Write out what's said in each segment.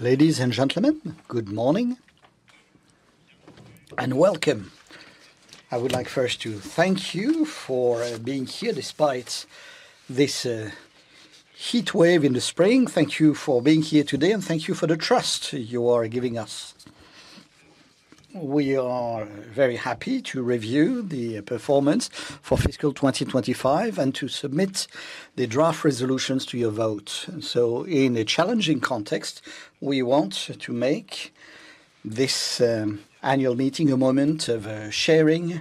Ladies and gentlemen, good morning and welcome. I would like first to thank you for being here despite this heat wave in the spring. Thank you for being here today, and thank you for the trust you are giving us. We are very happy to review the performance for fiscal 2025 and to submit the draft resolutions to your vote. In a challenging context, we want to make this annual meeting a moment of sharing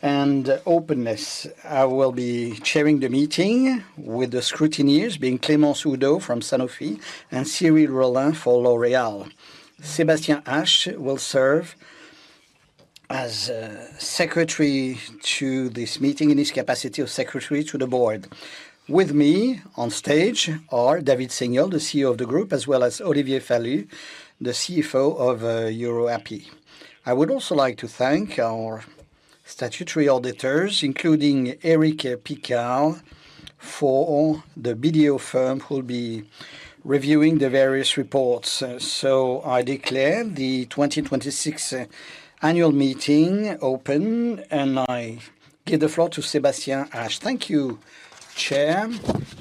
and openness. I will be chairing the meeting with the scrutineers, being Clément Soudot from Sanofi and Cyril Rollin for L'Oréal. Sébastien Hache will serve as secretary to this meeting in his capacity as secretary to the board. With me on stage are David Seignolle, the CEO of the group, as well as Olivier Falut, the CFO of EUROAPI. I would also like to thank our statutory auditors, including Eric Picarle, for the BDO firm, who will be reviewing the various reports. I declare the 2026 annual meeting open, and I give the floor to Sébastien Hache. Thank you, Chair.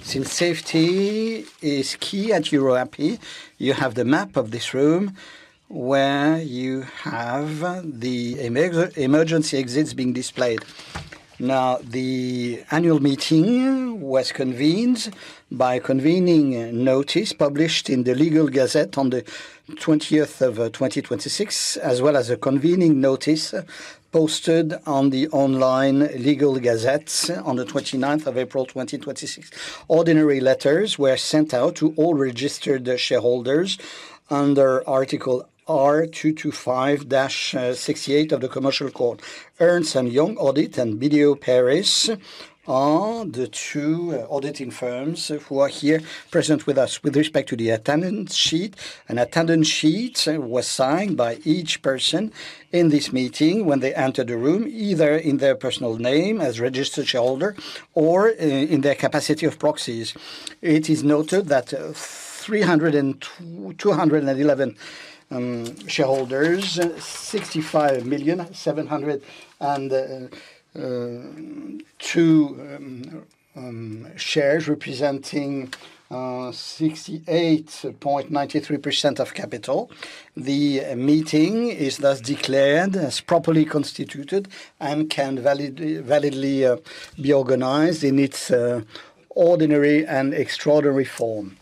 Since safety is key at EUROAPI, you have the map of this room where you have the emergency exits being displayed. Now, the annual meeting was convened by convening notice published in the Legal Gazette on the 20th of 2026, as well as a convening notice posted on the online Legal Gazette on the 29th of April 2026. Ordinary letters were sent out to all registered shareholders under Article R. 225-68 of the Commercial Code. Ernst & Young Audit and BDO Paris are the two auditing firms who are here present with us. With respect to the attendance sheet, an attendance sheet was signed by each person in this meeting when they entered the room, either in their personal name as a registered shareholder or in their capacity of proxies. It is noted that 211 shareholders, 65,000,702 shares, representing 68.93% of capital. The meeting is thus declared as properly constituted and can validly be organized in its ordinary and extraordinary form.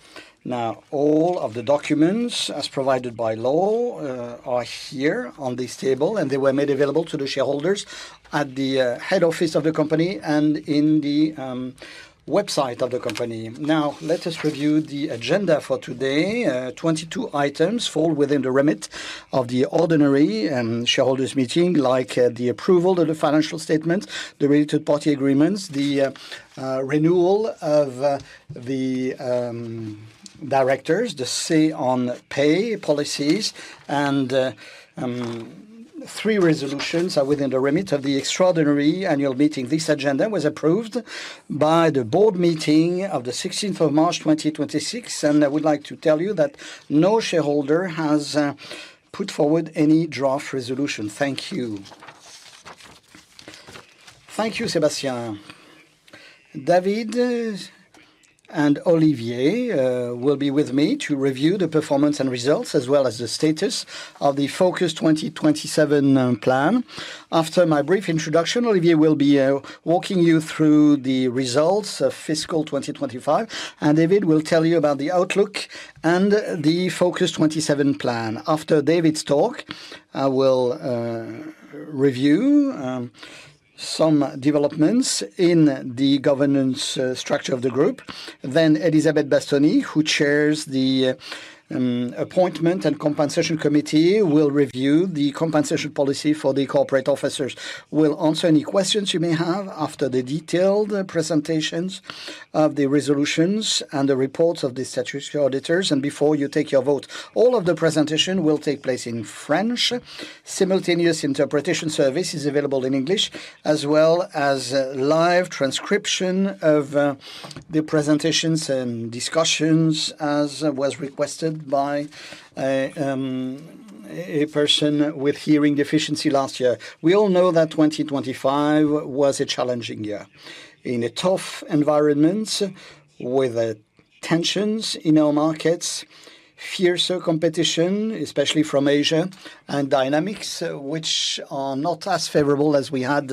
All of the documents, as provided by law, are here on this table, and they were made available to the shareholders at the head office of the company and in the website of the company. Let us review the agenda for today. 22 items fall within the remit of the ordinary shareholders meeting, like the approval of the financial statement, the related party agreements, the renewal of the directors, the say on pay policies. Three resolutions are within the remit of the extraordinary annual meeting. This agenda was approved by the board meeting of the 16th of March 2026. I would like to tell you that no shareholder has put forward any draft resolution. Thank you. Thank you, Sébastien. David and Olivier will be with me to review the performance and results, as well as the status of the FOCUS-27 plan. After my brief introduction, Olivier will be walking you through the results of fiscal 2025. David will tell you about the outlook and the FOCUS-27 plan. After David's talk, I will review some developments in the governance structure of the group. Elizabeth Bastoni, who chairs the Appointment and Compensation Committee, will review the compensation policy for the corporate officers. We'll answer any questions you may have after the detailed presentations of the resolutions and the reports of the statutory auditors and before you take your vote. All of the presentation will take place in French. Simultaneous interpretation service is available in English, as well as live transcription of the presentations and discussions as was requested by a person with hearing deficiency last year. We all know that 2025 was a challenging year. In a tough environment with tensions in our markets, fiercer competition, especially from Asia, and dynamics which are not as favorable as we had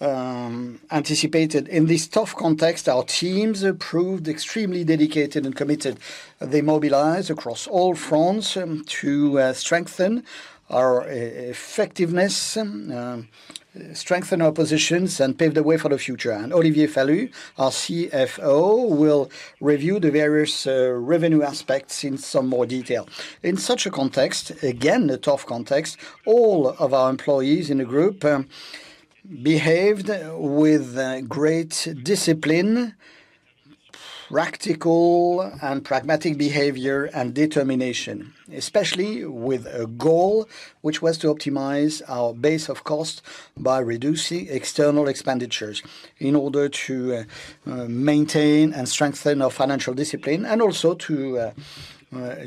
anticipated. In this tough context, our teams proved extremely dedicated and committed. They mobilized across all fronts to strengthen our effectiveness, strengthen our positions, and pave the way for the future. Olivier Falut, our CFO, will review the various revenue aspects in some more detail. In such a context, again, a tough context, all of our employees in the group behaved with great discipline, practical and pragmatic behavior and determination, especially with a goal, which was to optimize our base of cost by reducing external expenditures in order to maintain and strengthen our financial discipline, and also to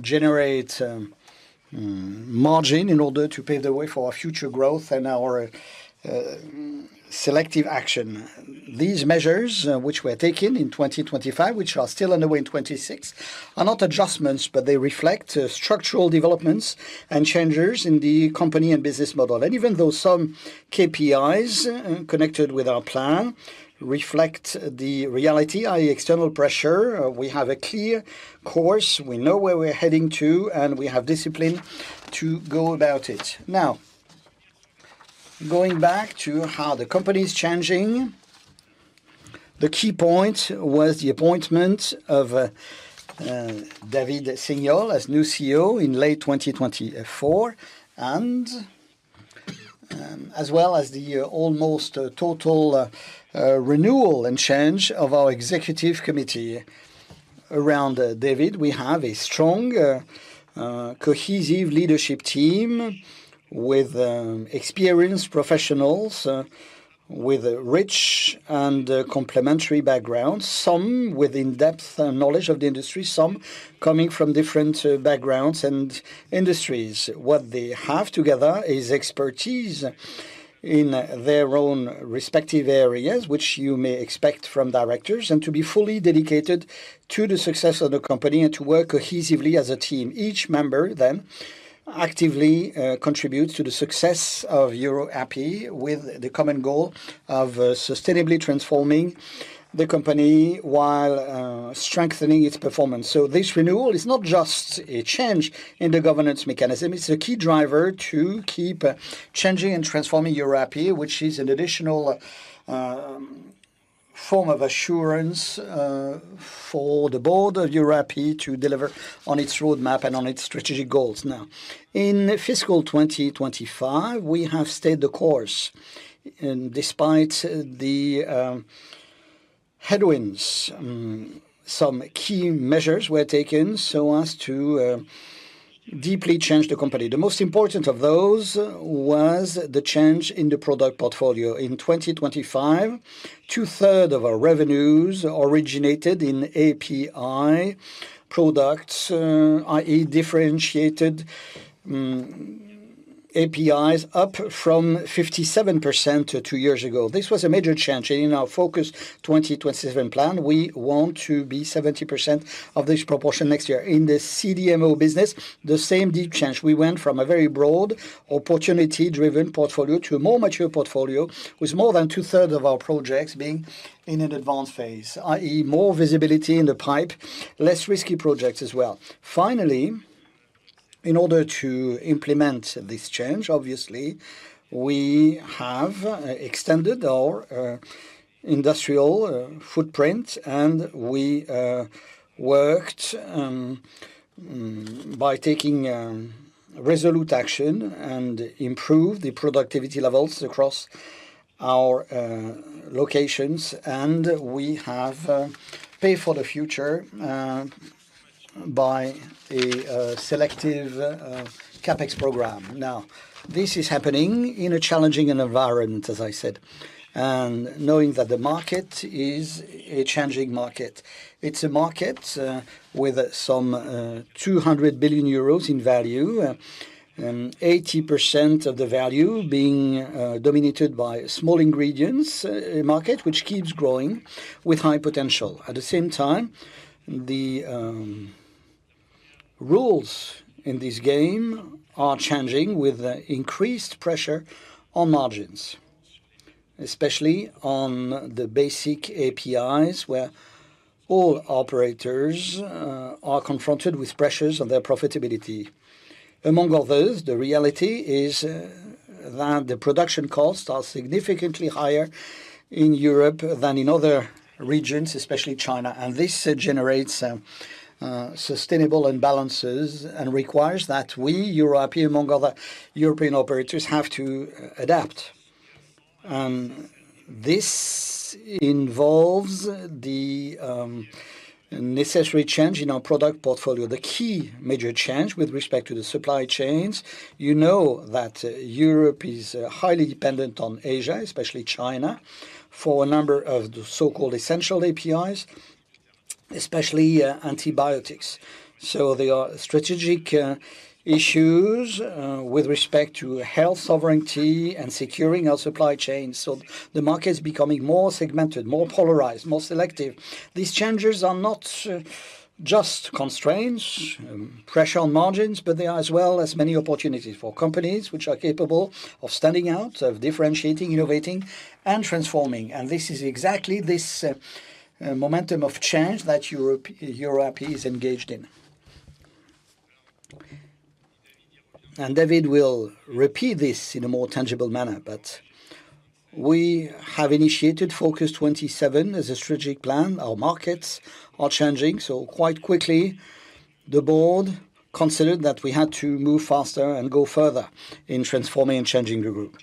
generate margin in order to pave the way for our future growth and our selective action. These measures, which were taken in 2025, which are still underway in 2026, are not adjustments, but they reflect structural developments and changes in the company and business model. Even though some KPIs connected with our plan reflect the reality, i.e. external pressure, we have a clear course, we know where we're heading to, and we have discipline to go about it. Going back to how the company's changing, the key point was the appointment of David Seignolle as new CEO in late 2024, as well as the almost total renewal and change of our Executive Committee. Around David, we have a strong, cohesive leadership team with experienced professionals with rich and complementary backgrounds. Some with in-depth knowledge of the industry, some coming from different backgrounds and industries. What they have together is expertise in their own respective areas, which you may expect from directors, and to be fully dedicated to the success of the company and to work cohesively as a team. Each member actively contributes to the success of EUROAPI with the common goal of sustainably transforming the company while strengthening its performance. This renewal is not just a change in the governance mechanism, it's a key driver to keep changing and transforming EUROAPI, which is an additional form of assurance for the board of EUROAPI to deliver on its roadmap and on its strategic goals. In fiscal 2025, we have stayed the course. Despite the headwinds, some key measures were taken so as to deeply change the company. The most important of those was the change in the product portfolio. In 2025, two third of our revenues originated in API products, i.e. differentiated APIs, up from 57% two years ago. This was a major change. In our FOCUS-27 plan, we want to be 70% of this proportion next year. In the CDMO business, the same deep change. We went from a very broad opportunity-driven portfolio to a more mature portfolio with more than two-thirds of our projects being in an advanced phase, i.e. more visibility in the pipe, less risky projects as well. Finally, in order to implement this change, obviously, we have extended our industrial footprint, and we worked by taking resolute action and improve the productivity levels across our locations. We have paid for the future by a selective CapEx program. This is happening in a challenging environment, as I said, and knowing that the market is a changing market. It's a market with some 200 billion euros in value, 80% of the value being dominated by small ingredients market, which keeps growing with high potential. At the same time, the rules in this game are changing with increased pressure on margins, especially on the basic APIs, where all operators are confronted with pressures on their profitability. Among others, the reality is that the production costs are significantly higher in Europe than in other regions, especially China, and this generates sustainable imbalances and requires that we, EUROAPI, among other European operators, have to adapt. This involves the necessary change in our product portfolio. The key major change with respect to the supply chains, you know that Europe is highly dependent on Asia, especially China, for a number of the so-called essential APIs, especially antibiotics. There are strategic issues with respect to health sovereignty and securing our supply chains. The market is becoming more segmented, more polarized, more selective. These changes are not just constraints, pressure on margins, but they are as well as many opportunities for companies which are capable of standing out, of differentiating, innovating, and transforming. This is exactly this momentum of change that EUROAPI is engaged in. David will repeat this in a more tangible manner. We have initiated FOCUS-27 as a strategic plan. Our markets are changing. Quite quickly, the board considered that we had to move faster and go further in transforming and changing the group.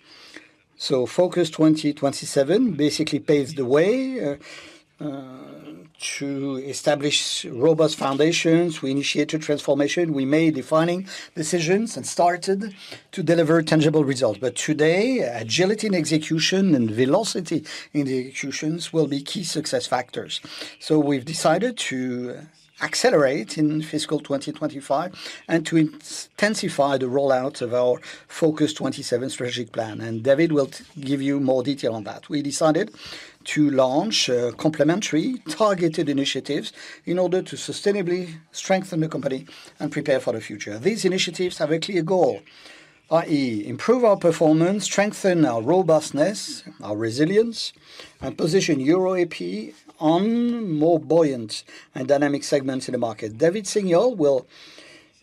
FOCUS-27 basically paves the way to establish robust foundations. We initiated transformation. We made defining decisions and started to deliver tangible results. Today, agility in execution and velocity in the executions will be key success factors. We've decided to accelerate in fiscal 2025, and to intensify the rollout of our FOCUS-27 strategic plan. David will give you more detail on that. We decided to launch complementary targeted initiatives in order to sustainably strengthen the company and prepare for the future. These initiatives have a clear goal, i.e., improve our performance, strengthen our robustness, our resilience, and position EUROAPI on more buoyant and dynamic segments in the market. David Seignolle will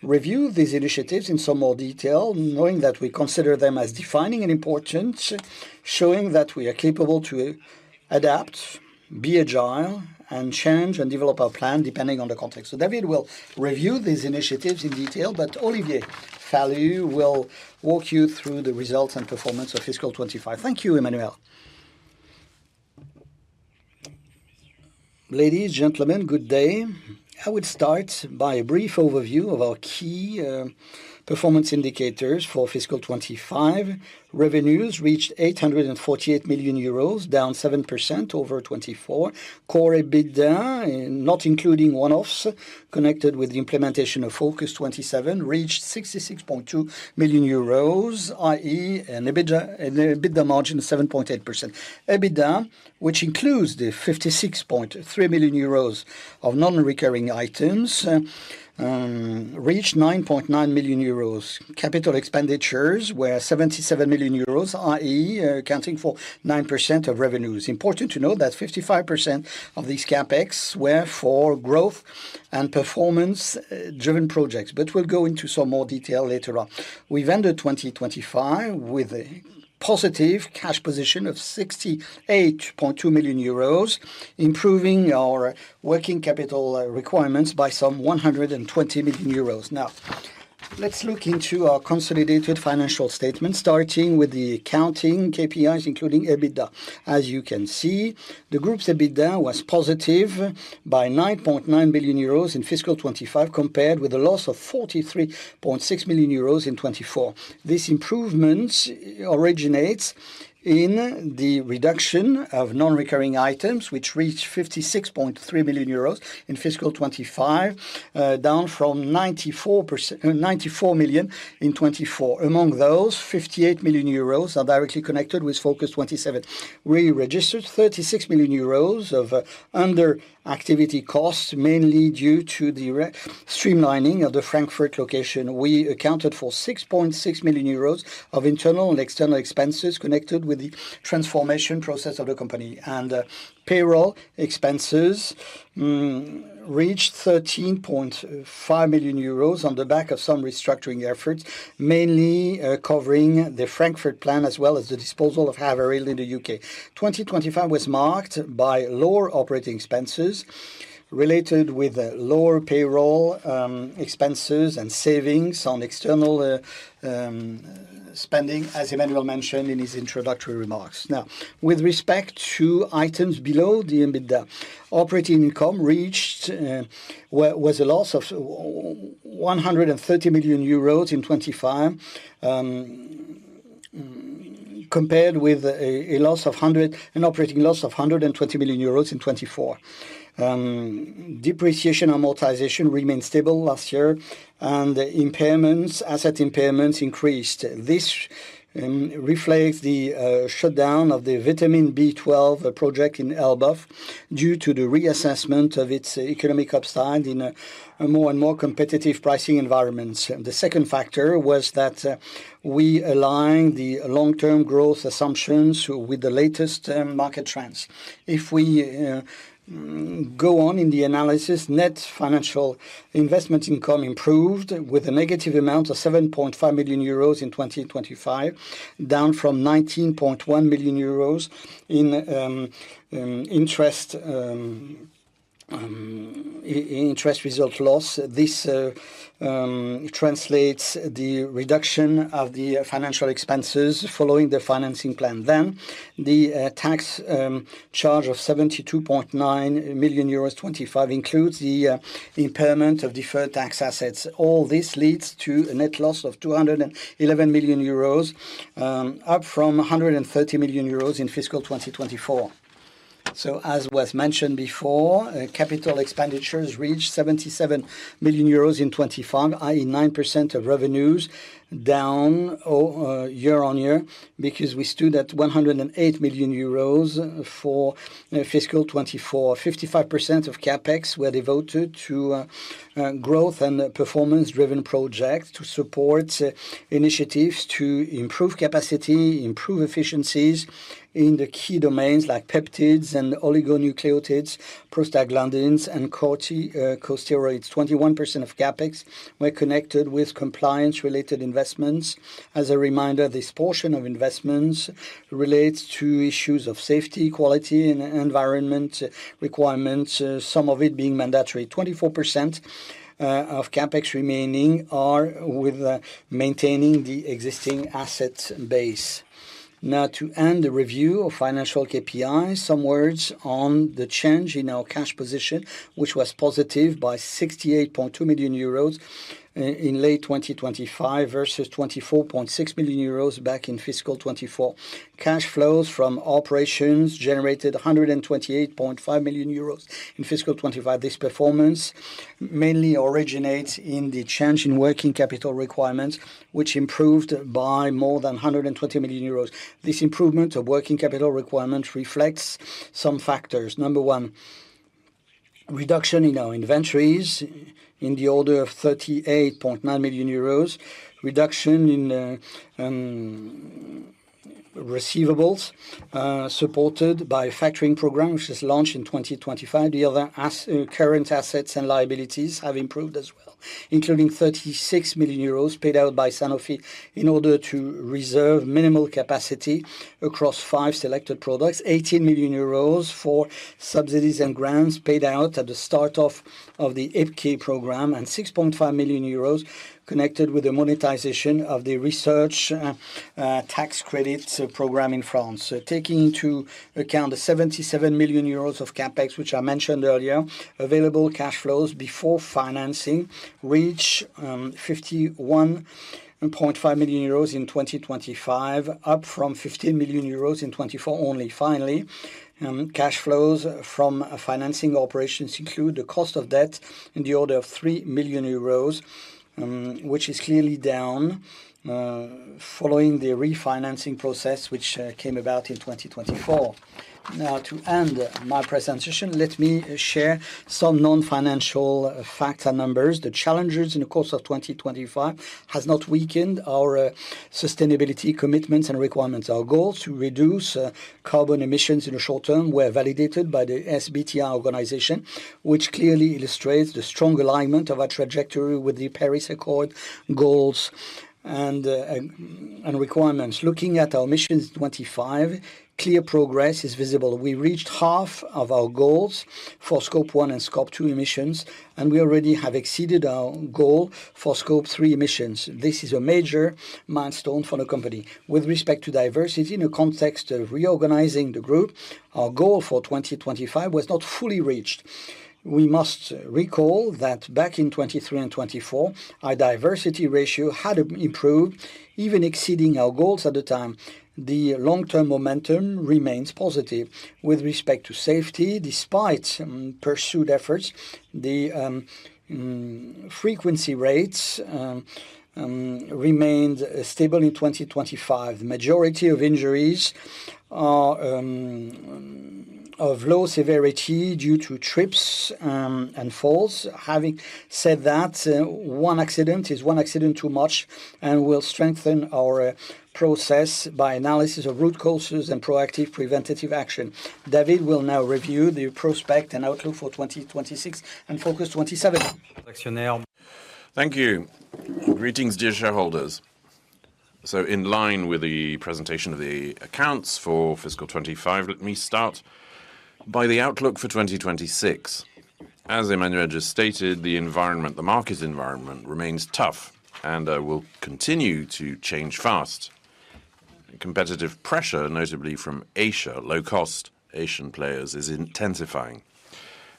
review these initiatives in some more detail, knowing that we consider them as defining and important, showing that we are capable to adapt, be agile, and change and develop our plan depending on the context. David will review these initiatives in detail, but Olivier Falut will walk you through the results and performance of fiscal 2025. Thank you, Emmanuel. Ladies, gentlemen, good day. I would start by a brief overview of our key performance indicators for fiscal 2025. Revenues reached 848 million euros, down 7% over 2024. Core EBITDA, not including one-offs connected with the implementation of FOCUS-27, reached 66.2 million euros, i.e., an EBITDA margin of 7.8%. EBITDA, which includes the 56.3 million euros of non-recurring items, reached 9.9 million euros. Capital expenditures were 77 million euros, i.e., accounting for 9% of revenues. Important to note that 55% of these CapEx were for growth and performance-driven projects. We'll go into some more detail later on. We've ended 2025 with a positive cash position of 68.2 million euros, improving our working capital requirements by some 120 million euros. Now, let's look into our consolidated financial statement, starting with the accounting KPIs, including EBITDA. As you can see, the group's EBITDA was positive by 9.9 billion euros in fiscal 2025, compared with a loss of 43.6 million euros in 2024. This improvement originates in the reduction of non-recurring items, which reached 56.3 million euros in fiscal 2025, down from 94 million in 2024. Among those, 58 million euros are directly connected with FOCUS-27. We registered 36 million euros of under-activity costs, mainly due to the streamlining of the Frankfurt location. We accounted for 6.6 million euros of internal and external expenses connected with the transformation process of the company. Payroll expenses reached 13.5 million euros on the back of some restructuring efforts, mainly covering the Frankfurt plan, as well as the disposal of Haverhill in the U.K. 2025 was marked by lower operating expenses related with lower payroll expenses and savings on external spending, as Emmanuel mentioned in his introductory remarks. Now, with respect to items below the EBITDA, operating income was a loss of 130 million euros in 2025, compared with an operating loss of 120 million euros in 2024. Depreciation amortization remained stable last year, and asset impairments increased. This reflects the shutdown of the vitamin B12 project in Elbeuf due to the reassessment of its economic upside in a more and more competitive pricing environment. The second factor was that we align the long-term growth assumptions with the latest market trends. If we go on in the analysis, net financial investment income improved with a negative amount of 7.5 million euros in 2025, down from 19.1 million euros in interest result loss. This translates the reduction of the financial expenses following the financing plan. The tax charge of 72.9 million euros in 2025 includes the impairment of deferred tax assets. All this leads to a net loss of 211 million euros, up from 130 million euros in fiscal 2024. As was mentioned before, capital expenditures reached 77 million euros in 2025, i.e., 9% of revenues, down year-on-year because we stood at 108 million euros for fiscal 2024. 55% of CapEx were devoted to growth and performance-driven projects to support initiatives to improve capacity, improve efficiencies in the key domains like peptides and oligonucleotides, prostaglandins, and corticosteroids. 21% of CapEx were connected with compliance-related investments. As a reminder, this portion of investments relates to issues of safety, quality, and environment requirements, some of it being mandatory. 24% of CapEx remaining are with maintaining the existing asset base. Now to end the review of financial KPI, some words on the change in our cash position, which was positive by 68.2 million euros in late 2025 versus 24.6 million euros back in fiscal 2024. Cash flows from operations generated 128.5 million euros in fiscal 2025. This performance mainly originates in the change in working capital requirements, which improved by more than 120 million euros. This improvement of working capital requirements reflects some factors. Number one, reduction in our inventories in the order of 38.9 million euros. Reduction in receivables, supported by FK program, which was launched in 2025. The other current assets and liabilities have improved as well, including 36 million euros paid out by Sanofi in order to reserve minimal capacity across five selected products, 18 million euros for subsidies and grants paid out at the start of the FK program, and 6.5 million euros connected with the monetization of the research tax credits program in France. Taking into account the 77 million euros of CapEx, which I mentioned earlier, available cash flows before financing reach 51.5 million euros in 2025, up from 15 million euros in 2024 only. Cash flows from financing operations include the cost of debt in the order of 3 million euros, which is clearly down following the refinancing process, which came about in 2024. To end my presentation, let me share some non-financial facts and numbers. The challenges in the course of 2025 has not weakened our sustainability commitments and requirements. Our goal to reduce carbon emissions in the short-term were validated by the SBTi organization, which clearly illustrates the strong alignment of our trajectory with the Paris Agreement goals and requirements. Looking at our emissions in 2025, clear progress is visible. We reached half of our goals for Scope 1 and Scope 2 emissions, and we already have exceeded our goal for Scope 3 emissions. This is a major milestone for the company. With respect to diversity, in the context of reorganizing the group, our goal for 2025 was not fully reached. We must recall that back in 2023 and 2024, our diversity ratio had improved, even exceeding our goals at the time. The long-term momentum remains positive. With respect to safety, despite pursued efforts, the frequency rates remained stable in 2025. The majority of injuries are of low severity due to trips and falls. Having said that, one accident is one accident too much, and we'll strengthen our process by analysis of root causes and proactive preventative action. David will now review the prospect and outlook for 2026 and FOCUS-27. Thank you. Greetings, dear shareholders. In line with the presentation of the accounts for FY 2025, let me start by the outlook for 2026. As Emmanuel just stated, the market environment remains tough and will continue to change fast. Competitive pressure, notably from Asia, low-cost Asian players, is intensifying.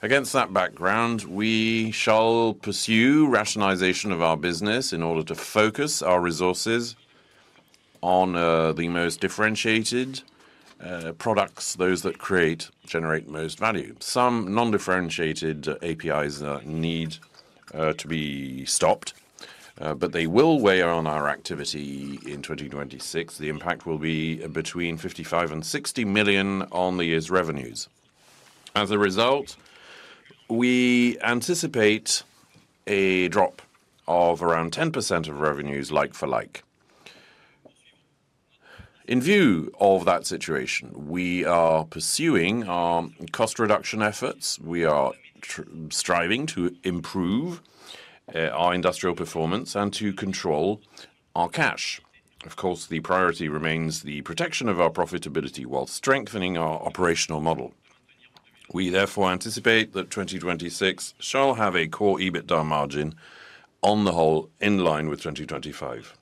Against that background, we shall pursue rationalization of our business in order to focus our resources on the most differentiated products, those that create, generate the most value. Some non-differentiated APIs need to be stopped, but they will weigh on our activity in 2026. The impact will be between 55 million and 60 million on the year's revenues. As a result, we anticipate a drop of around 10% of revenues like for like. In view of that situation, we are pursuing our cost reduction efforts. We are striving to improve our industrial performance and to control our cash. Of course, the priority remains the protection of our profitability while strengthening our operational model. We therefore anticipate that 2026 shall have a Core EBITDA margin on the whole in line with 2025.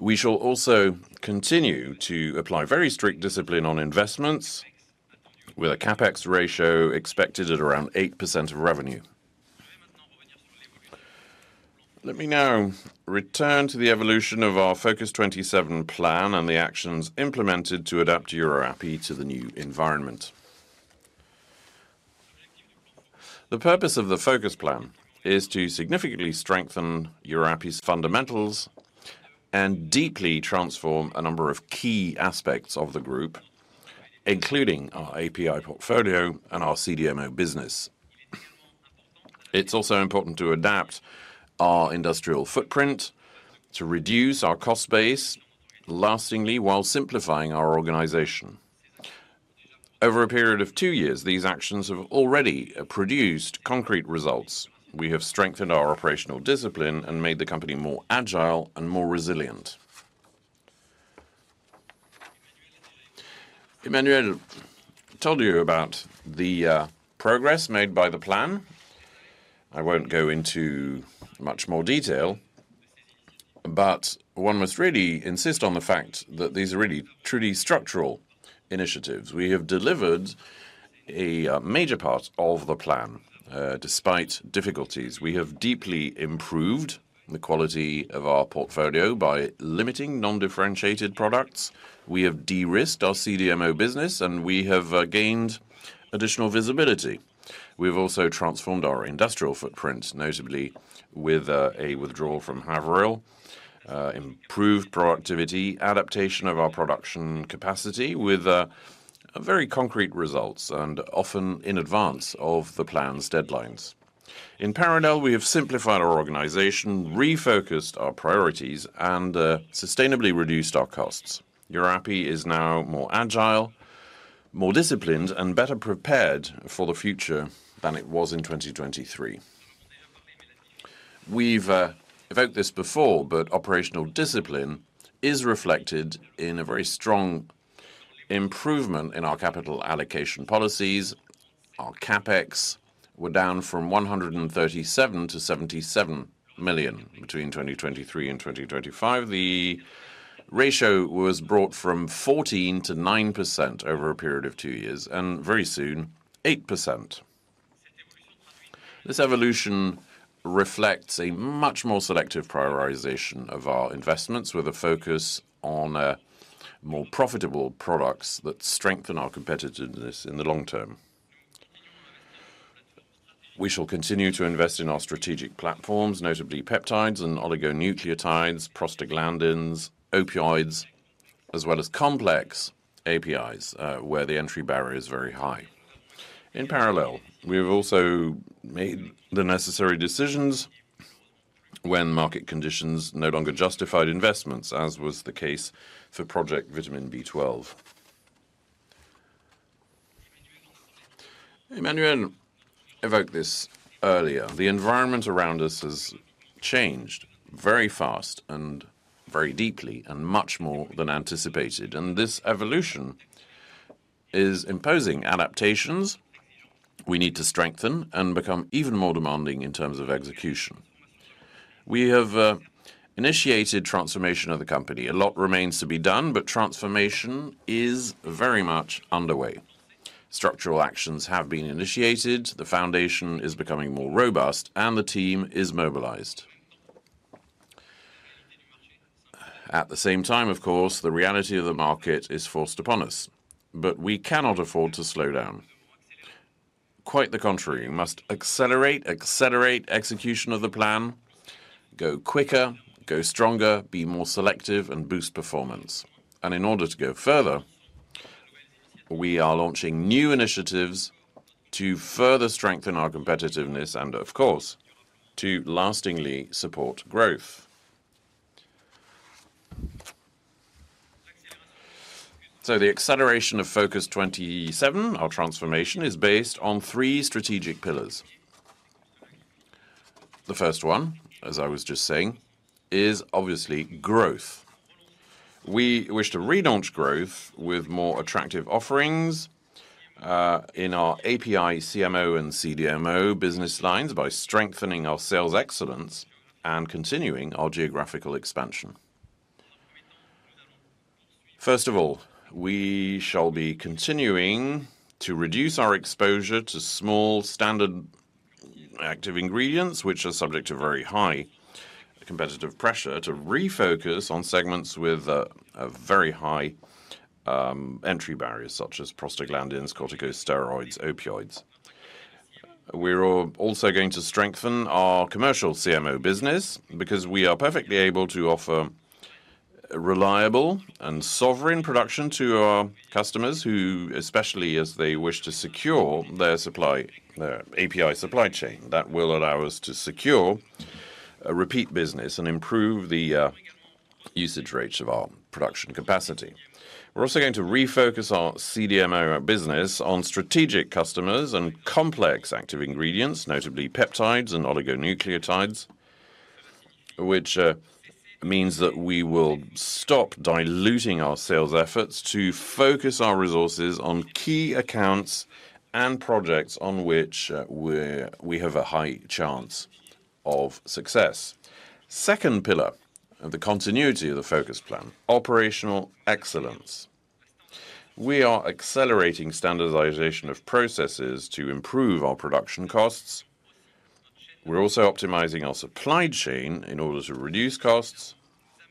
We shall also continue to apply very strict discipline on investments with a CapEx ratio expected at around 8% of revenue. Let me now return to the evolution of our FOCUS-27 plan and the actions implemented to adapt EUROAPI to the new environment. The purpose of the FOCUS plan is to significantly strengthen EUROAPI's fundamentals and deeply transform a number of key aspects of the group, including our API portfolio and our CDMO business. It's also important to adapt our industrial footprint to reduce our cost base lastingly while simplifying our organization. Over a period of two years, these actions have already produced concrete results. We have strengthened our operational discipline and made the company more agile and more resilient. Emmanuel told you about the progress made by the plan. I won't go into much more detail. One must really insist on the fact that these are really truly structural initiatives. We have delivered a major part of the plan, despite difficulties. We have deeply improved the quality of our portfolio by limiting non-differentiated products. We have de-risked our CDMO business, and we have gained additional visibility. We've also transformed our industrial footprint, notably with a withdrawal from Haverhill, improved productivity, adaptation of our production capacity with very concrete results, and often in advance of the plan's deadlines. In parallel, we have simplified our organization, refocused our priorities, and sustainably reduced our costs. EUROAPI is now more agile, more disciplined, and better prepared for the future than it was in 2023. We've evoked this before, operational discipline is reflected in a very strong improvement in our capital allocation policies. Our CapEx were down from 137 million-77 million between 2023 and 2025. The ratio was brought from 14%-9% over a period of two years, and very soon, 8%. This evolution reflects a much more selective prioritization of our investments with a focus on more profitable products that strengthen our competitiveness in the long-term. We shall continue to invest in our strategic platforms, notably peptides and oligonucleotides, prostaglandins, opioids, as well as complex APIs, where the entry barrier is very high. In parallel, we have also made the necessary decisions when market conditions no longer justified investments, as was the case for Project Vitamin B12. Emmanuel evoked this earlier. The environment around us has changed very fast and very deeply, and much more than anticipated. This evolution is imposing adaptations we need to strengthen and become even more demanding in terms of execution. We have initiated transformation of the company. A lot remains to be done, but transformation is very much underway. Structural actions have been initiated, the foundation is becoming more robust, and the team is mobilized. At the same time, of course, the reality of the market is forced upon us, but we cannot afford to slow down. Quite the contrary, we must accelerate execution of the plan, go quicker, go stronger, be more selective, and boost performance. In order to go further, we are launching new initiatives to further strengthen our competitiveness and, of course, to lastingly support growth. The acceleration of FOCUS-27, our transformation, is based on three strategic pillars. The first one, as I was just saying, is obviously growth. We wish to relaunch growth with more attractive offerings in our API, CMO, and CDMO business lines by strengthening our sales excellence and continuing our geographical expansion. First of all, we shall be continuing to reduce our exposure to small, standard active ingredients, which are subject to very high competitive pressure to refocus on segments with very high entry barriers, such as prostaglandins, corticosteroids, opioids. We are also going to strengthen our commercial CMO business because we are perfectly able to offer reliable and sovereign production to our customers who, especially as they wish to secure their API supply chain, that will allow us to secure repeat business and improve the usage rates of our production capacity. We're also going to refocus our CDMO business on strategic customers and complex active ingredients, notably peptides and oligonucleotides, which means that we will stop diluting our sales efforts to focus our resources on key accounts and projects on which we have a high chance of success. Second pillar, the continuity of the FOCUS-27, operational excellence. We are accelerating standardization of processes to improve our production costs. We're also optimizing our supply chain in order to reduce costs.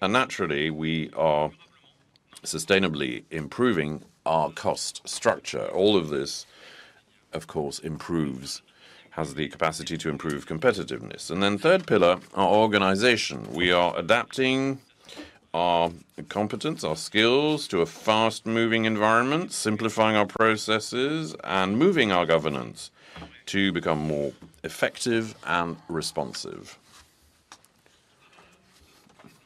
Naturally, we are sustainably improving our cost structure. All of this, of course, has the capacity to improve competitiveness. Third pillar, our organization. We are adapting our competence, our skills to a fast-moving environment, simplifying our processes, and moving our governance to become more effective and responsive.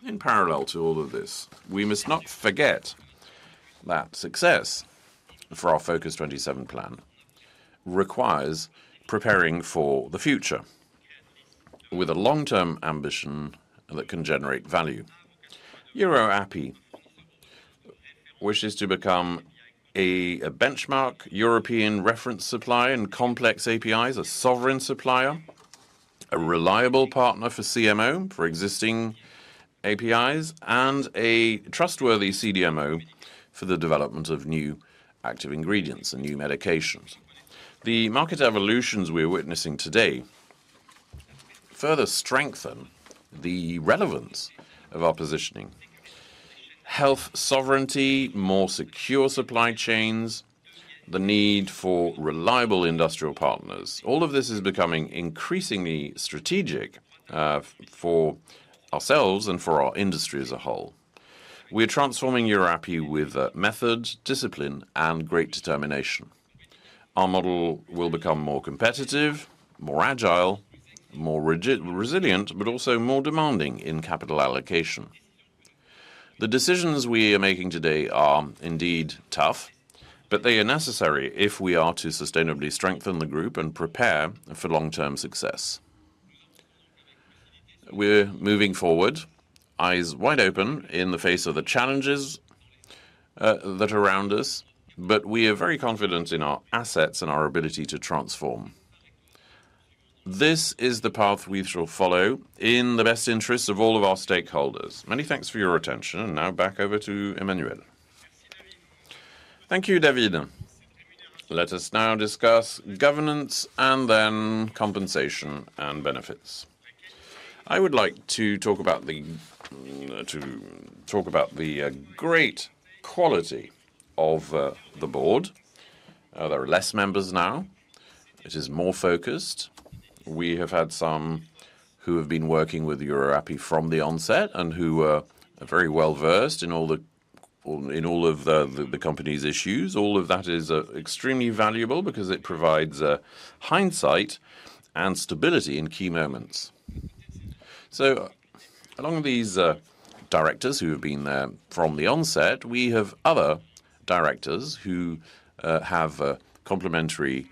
In parallel to all of this, we must not forget that success for our FOCUS-27 plan requires preparing for the future with a long-term ambition that can generate value. EUROAPI wishes to become a benchmark European reference supplier in complex APIs, a sovereign supplier, a reliable partner for CMO for existing APIs, and a trustworthy CDMO for the development of new active ingredients and new medications. The market evolutions we're witnessing today further strengthen the relevance of our positioning. Health sovereignty, more secure supply chains, the need for reliable industrial partners, all of this is becoming increasingly strategic for ourselves and for our industry as a whole. We are transforming EUROAPI with method, discipline, and great determination. Our model will become more competitive, more agile, more resilient, but also more demanding in capital allocation. The decisions we are making today are indeed tough, but they are necessary if we are to sustainably strengthen the group and prepare for long-term success. We're moving forward, eyes wide open, in the face of the challenges that are around us, but we are very confident in our assets and our ability to transform. This is the path we shall follow in the best interests of all of our stakeholders. Many thanks for your attention. Now back over to Emmanuel. Thank you, David. Let us now discuss governance and then compensation and benefits. I would like to talk about the great quality of the board. There are less members now. It is more focused. We have had some who have been working with EUROAPI from the onset and who are very well-versed in all of the company's issues. All of that is extremely valuable because it provides hindsight and stability in key moments. Along with these directors who have been there from the onset, we have other directors who have complementary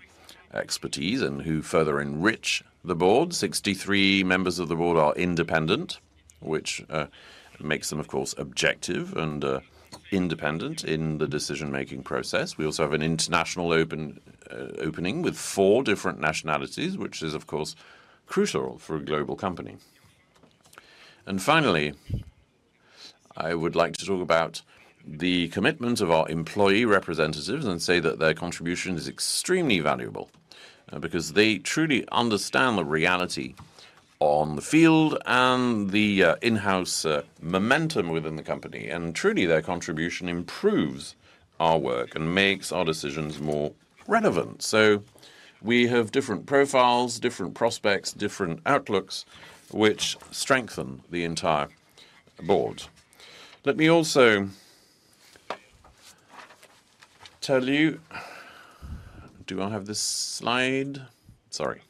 expertise and who further enrich the board. 63 members of the board are independent, which makes them, of course, objective and independent in the decision-making process. We also have an international opening with four different nationalities, which is, of course, crucial for a global company. Finally, I would like to talk about the commitment of our employee representatives and say that their contribution is extremely valuable because they truly understand the reality on the field and the in-house momentum within the company. Truly, their contribution improves our work and makes our decisions more relevant. We have different profiles, different prospects, different outlooks, which strengthen the entire board. Let me also tell you Do I have this slide? Sorry.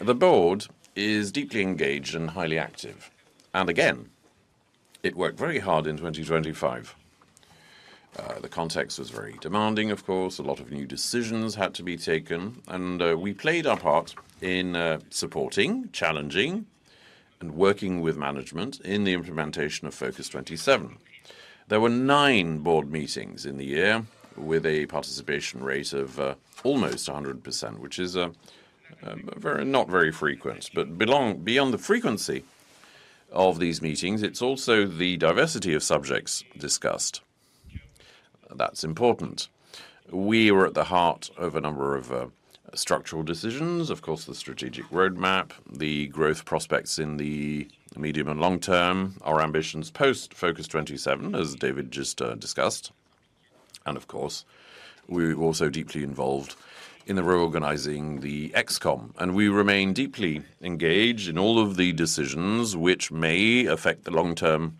The board is deeply engaged and highly active. Again, it worked very hard in 2025. The context was very demanding, of course. A lot of new decisions had to be taken, and we played our part in supporting, challenging, and working with management in the implementation of FOCUS-27. There were nine board meetings in the year with a participation rate of almost 100%, which is not very frequent. Beyond the frequency of these meetings, it's also the diversity of subjects discussed that's important. We were at the heart of a number of structural decisions, of course, the strategic roadmap, the growth prospects in the medium- and long-term, our ambitions post FOCUS-27, as David just discussed. Of course, we were also deeply involved in reorganizing the ExCo. We remain deeply engaged in all of the decisions which may affect the long-term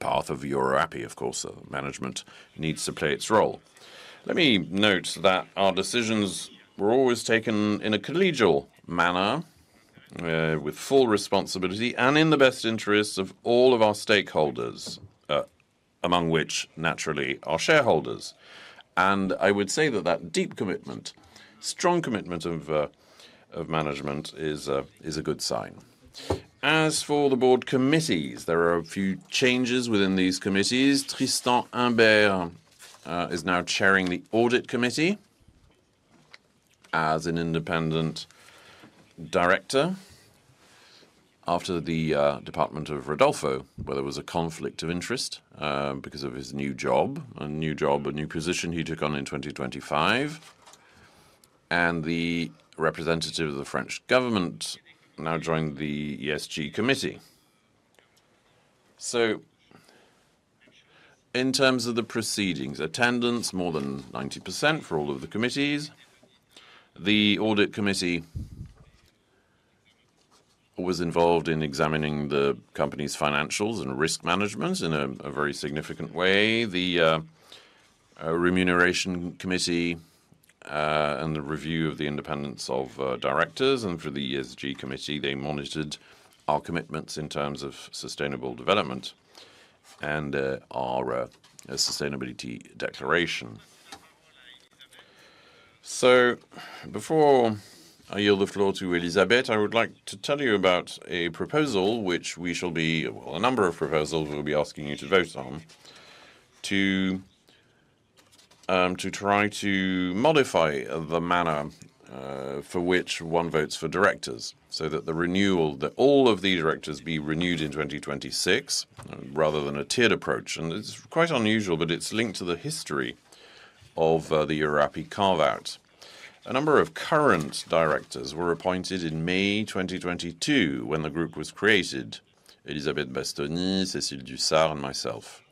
path of EUROAPI. Of course, management needs to play its role. Let me note that our decisions were always taken in a collegial manner with full responsibility and in the best interests of all of our stakeholders, among which, naturally, our shareholders. I would say that that deep commitment, strong commitment of management is a good sign. As for the board committees, there are a few changes within these committees. Tristan Imbert is now chairing the Audit Committee as an independent director after the departure of Rodolfo, where there was a conflict of interest because of his new job, a new position he took on in 2025. The representative of the French government now joined the ESG Committee. In terms of the proceedings, attendance more than 90% for all of the committees. The audit committee was involved in examining the company's financials and risk management in a very significant way. The remuneration committee and the review of the independence of directors, for the ESG Committee, they monitored our commitments in terms of sustainable development and our sustainability declaration. Before I yield the floor to Elizabeth, I would like to tell you about a number of proposals we'll be asking you to vote on to try to modify the manner for which one votes for directors, so that all of the directors be renewed in 2026 rather than a tiered approach. It's quite unusual, but it's linked to the history of the EUROAPI carve-out. A number of current directors were appointed in May 2022 when the group was created, Elizabeth Bastoni, Cécile Dussart, and myself.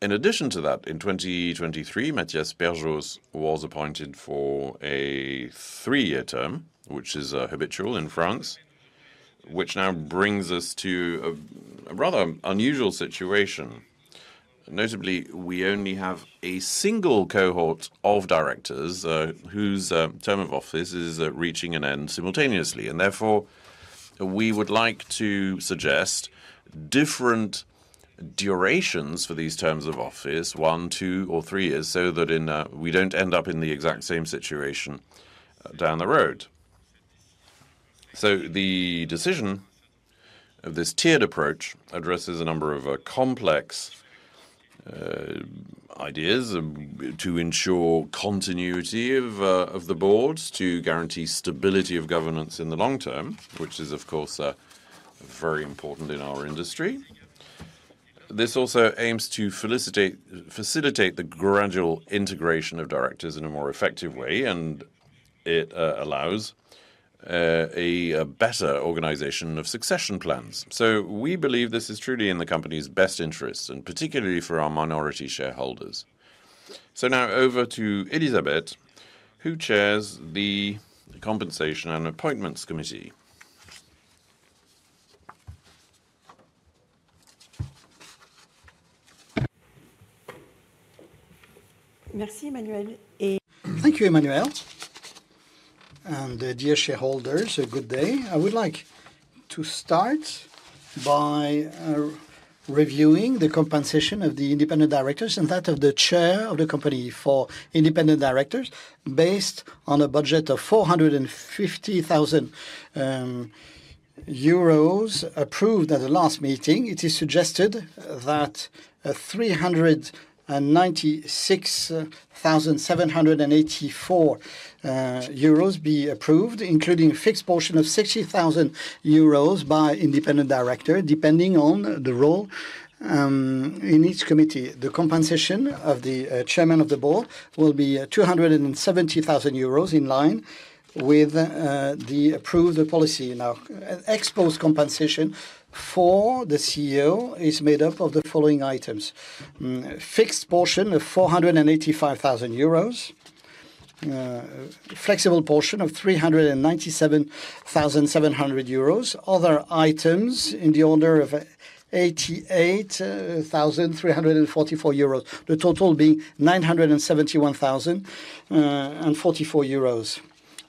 In addition to that, in 2023, Mattias Perjos was appointed for a three-year term, which is habitual in France. Which now brings us to a rather unusual situation. Notably, we only have a single cohort of directors whose term of office is reaching an end simultaneously. Therefore, we would like to suggest different durations for these terms of office one, two, or three years, so that we don't end up in the exact same situation down the road. The decision of this tiered approach addresses a number of complex ideas to ensure continuity of the board, to guarantee stability of governance in the long-term, which is, of course, very important in our industry. This also aims to facilitate the gradual integration of directors in a more effective way, and it allows a better organization of succession plans. We believe this is truly in the company's best interests, and particularly for our minority shareholders. Now over to Elizabeth, who chairs the Compensation and Appointment Committee. Thank you, Emmanuel. Dear shareholders, a good day. I would like to start by reviewing the compensation of the independent directors and that of the chair of the company for independent directors based on a budget of 450,000 euros approved at the last meeting. It is suggested that 396,784 euros be approved, including a fixed portion of 60,000 euros by independent director, depending on the role in each committee. The compensation of the Chair of the Board will be 270,000 euros in line with the approved policy. Now, exposed compensation for the CEO is made up of the following items. Fixed portion of 485,000 euros, flexible portion of 397,700 euros. Other items in the order of 88,344 euros. The total being 971,044 euros.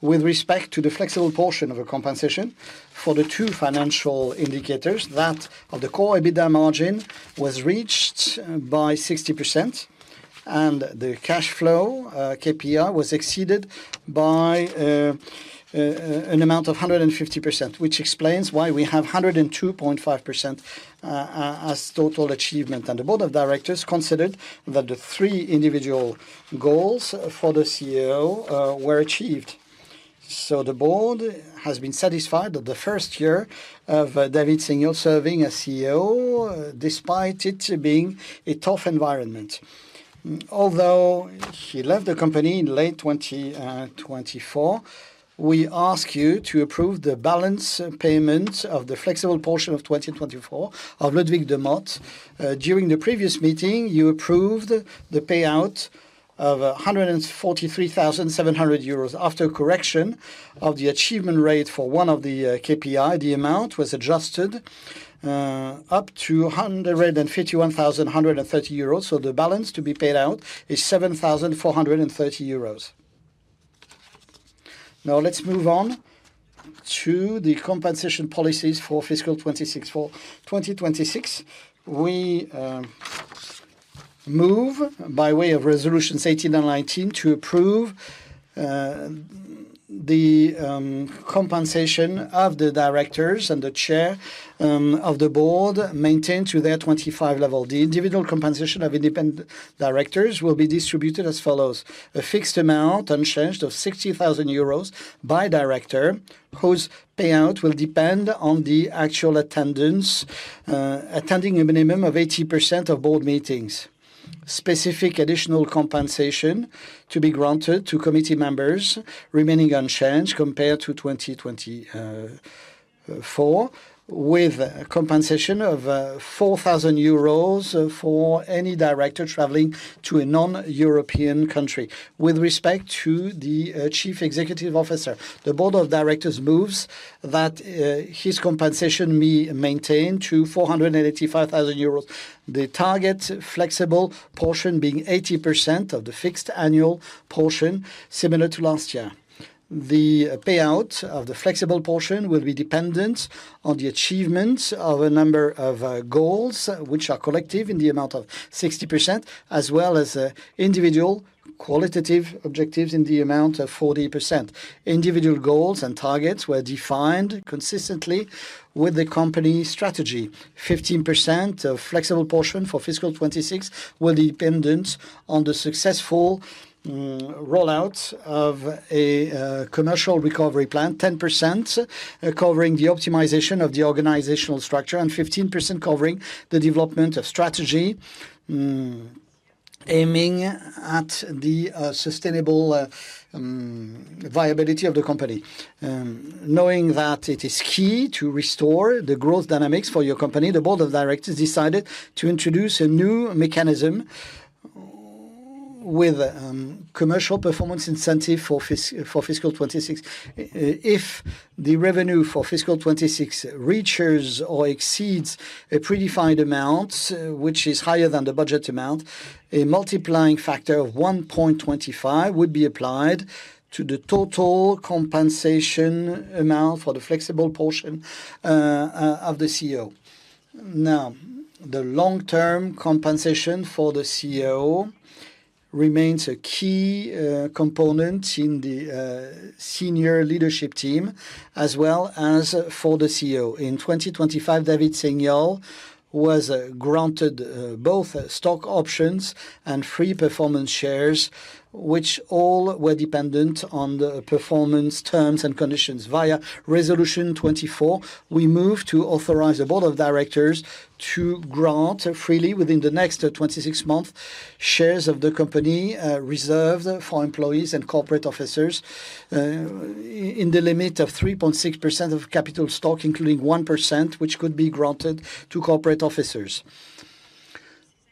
With respect to the flexible portion of compensation for the two financial indicators, that of the Core EBITDA margin was reached by 60%, and the cash flow KPI was exceeded by an amount of 150%, which explains why we have 102.5% as total achievement. The board of directors considered that the three individual goals for the CEO were achieved. The board has been satisfied that the first year of David Seignolle serving as CEO, despite it being a tough environment. Although he left the company in late 2024, we ask you to approve the balance payment of the flexible portion of 2024 of Ludwig de Mot. During the previous meeting, you approved the payout of 143,700 euros. After correction of the achievement rate for one of the KPI, the amount was adjusted up to 151,130 euros. The balance to be paid out is 7,430 euros. Let's move on to the compensation policies for fiscal 2026. We move by way of resolutions 18 and 19 to approve the compensation of the directors and the Chair of the Board maintained to their 2025 level. The individual compensation of independent directors will be distributed as follows. A fixed amount unchanged of 60,000 euros by director, whose payout will depend on the actual attendance, attending a minimum of 80% of Board meetings. Specific additional compensation to be granted to committee members remaining unchanged compared to 2025 for with compensation of 4,000 euros for any director traveling to a non-European country. With respect to the Chief Executive Officer, the Board of Directors moves that his compensation be maintained to 485,000 euros. The target flexible portion being 80% of the fixed annual portion similar to last year. The payout of the flexible portion will be dependent on the achievement of a number of goals, which are collective in the amount of 60%, as well as individual qualitative objectives in the amount of 40%. Individual goals and targets were defined consistently with the company strategy. 15% of flexible portion for fiscal 26 will dependent on the successful rollout of a commercial recovery plan, 10% covering the optimization of the organizational structure, and 15% covering the development of strategy aiming at the sustainable viability of the company. Knowing that it is key to restore the growth dynamics for your company, the board of directors decided to introduce a new mechanism with commercial performance incentive for fiscal 2026. If the revenue for fiscal 2026 reaches or exceeds a predefined amount, which is higher than the budget amount, a multiplying factor of 1.25 would be applied to the total compensation amount for the flexible portion of the CEO. Now, the long-term compensation for the CEO remains a key component in the senior leadership team, as well as for the CEO. In 2025, David Seignolle was granted both stock options and free performance shares, which all were dependent on the performance terms and conditions. Via Resolution 24, we move to authorize the board of directors to grant freely within the next 26 months, shares of the company reserved for employees and corporate officers, in the limit of 3.6% of capital stock, including 1%, which could be granted to corporate officers.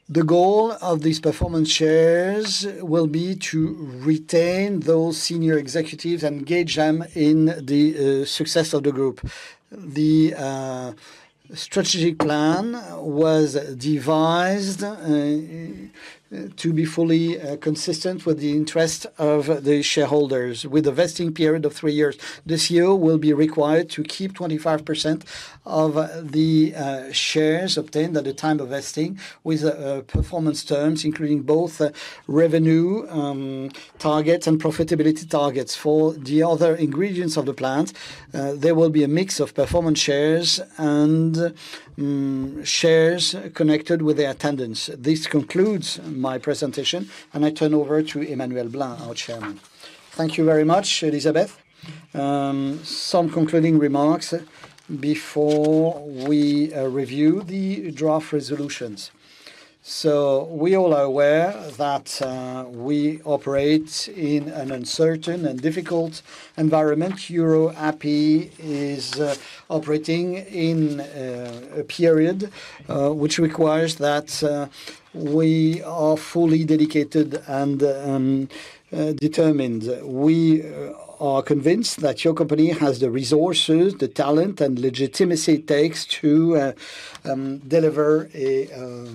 The goal of these performance shares will be to retain those senior executives and engage them in the success of the group. The strategy plan was devised to be fully consistent with the interest of the shareholders. With a vesting period of three years, the CEO will be required to keep 25% of the shares obtained at the time of vesting with performance terms, including both revenue targets and profitability targets. For the other ingredients of the plan, there will be a mix of performance shares and shares connected with the attendance. This concludes my presentation, and I turn over to Emmanuel Blin, our chairman. Thank you very much, Elizabeth. Some concluding remarks before we review the draft resolutions. We all are aware that we operate in an uncertain and difficult environment. EUROAPI is operating in a period which requires that we are fully dedicated and determined. We are convinced that your company has the resources, the talent, and legitimacy it takes to deliver a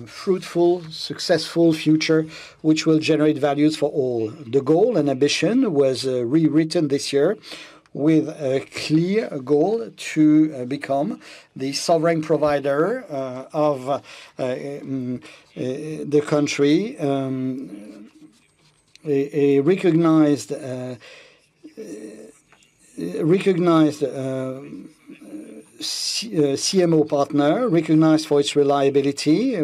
fruitful, successful future, which will generate values for all. The goal and ambition was re-written this year with a clear goal to become the sovereign provider of the country, a recognized CMO partner, recognized for its reliability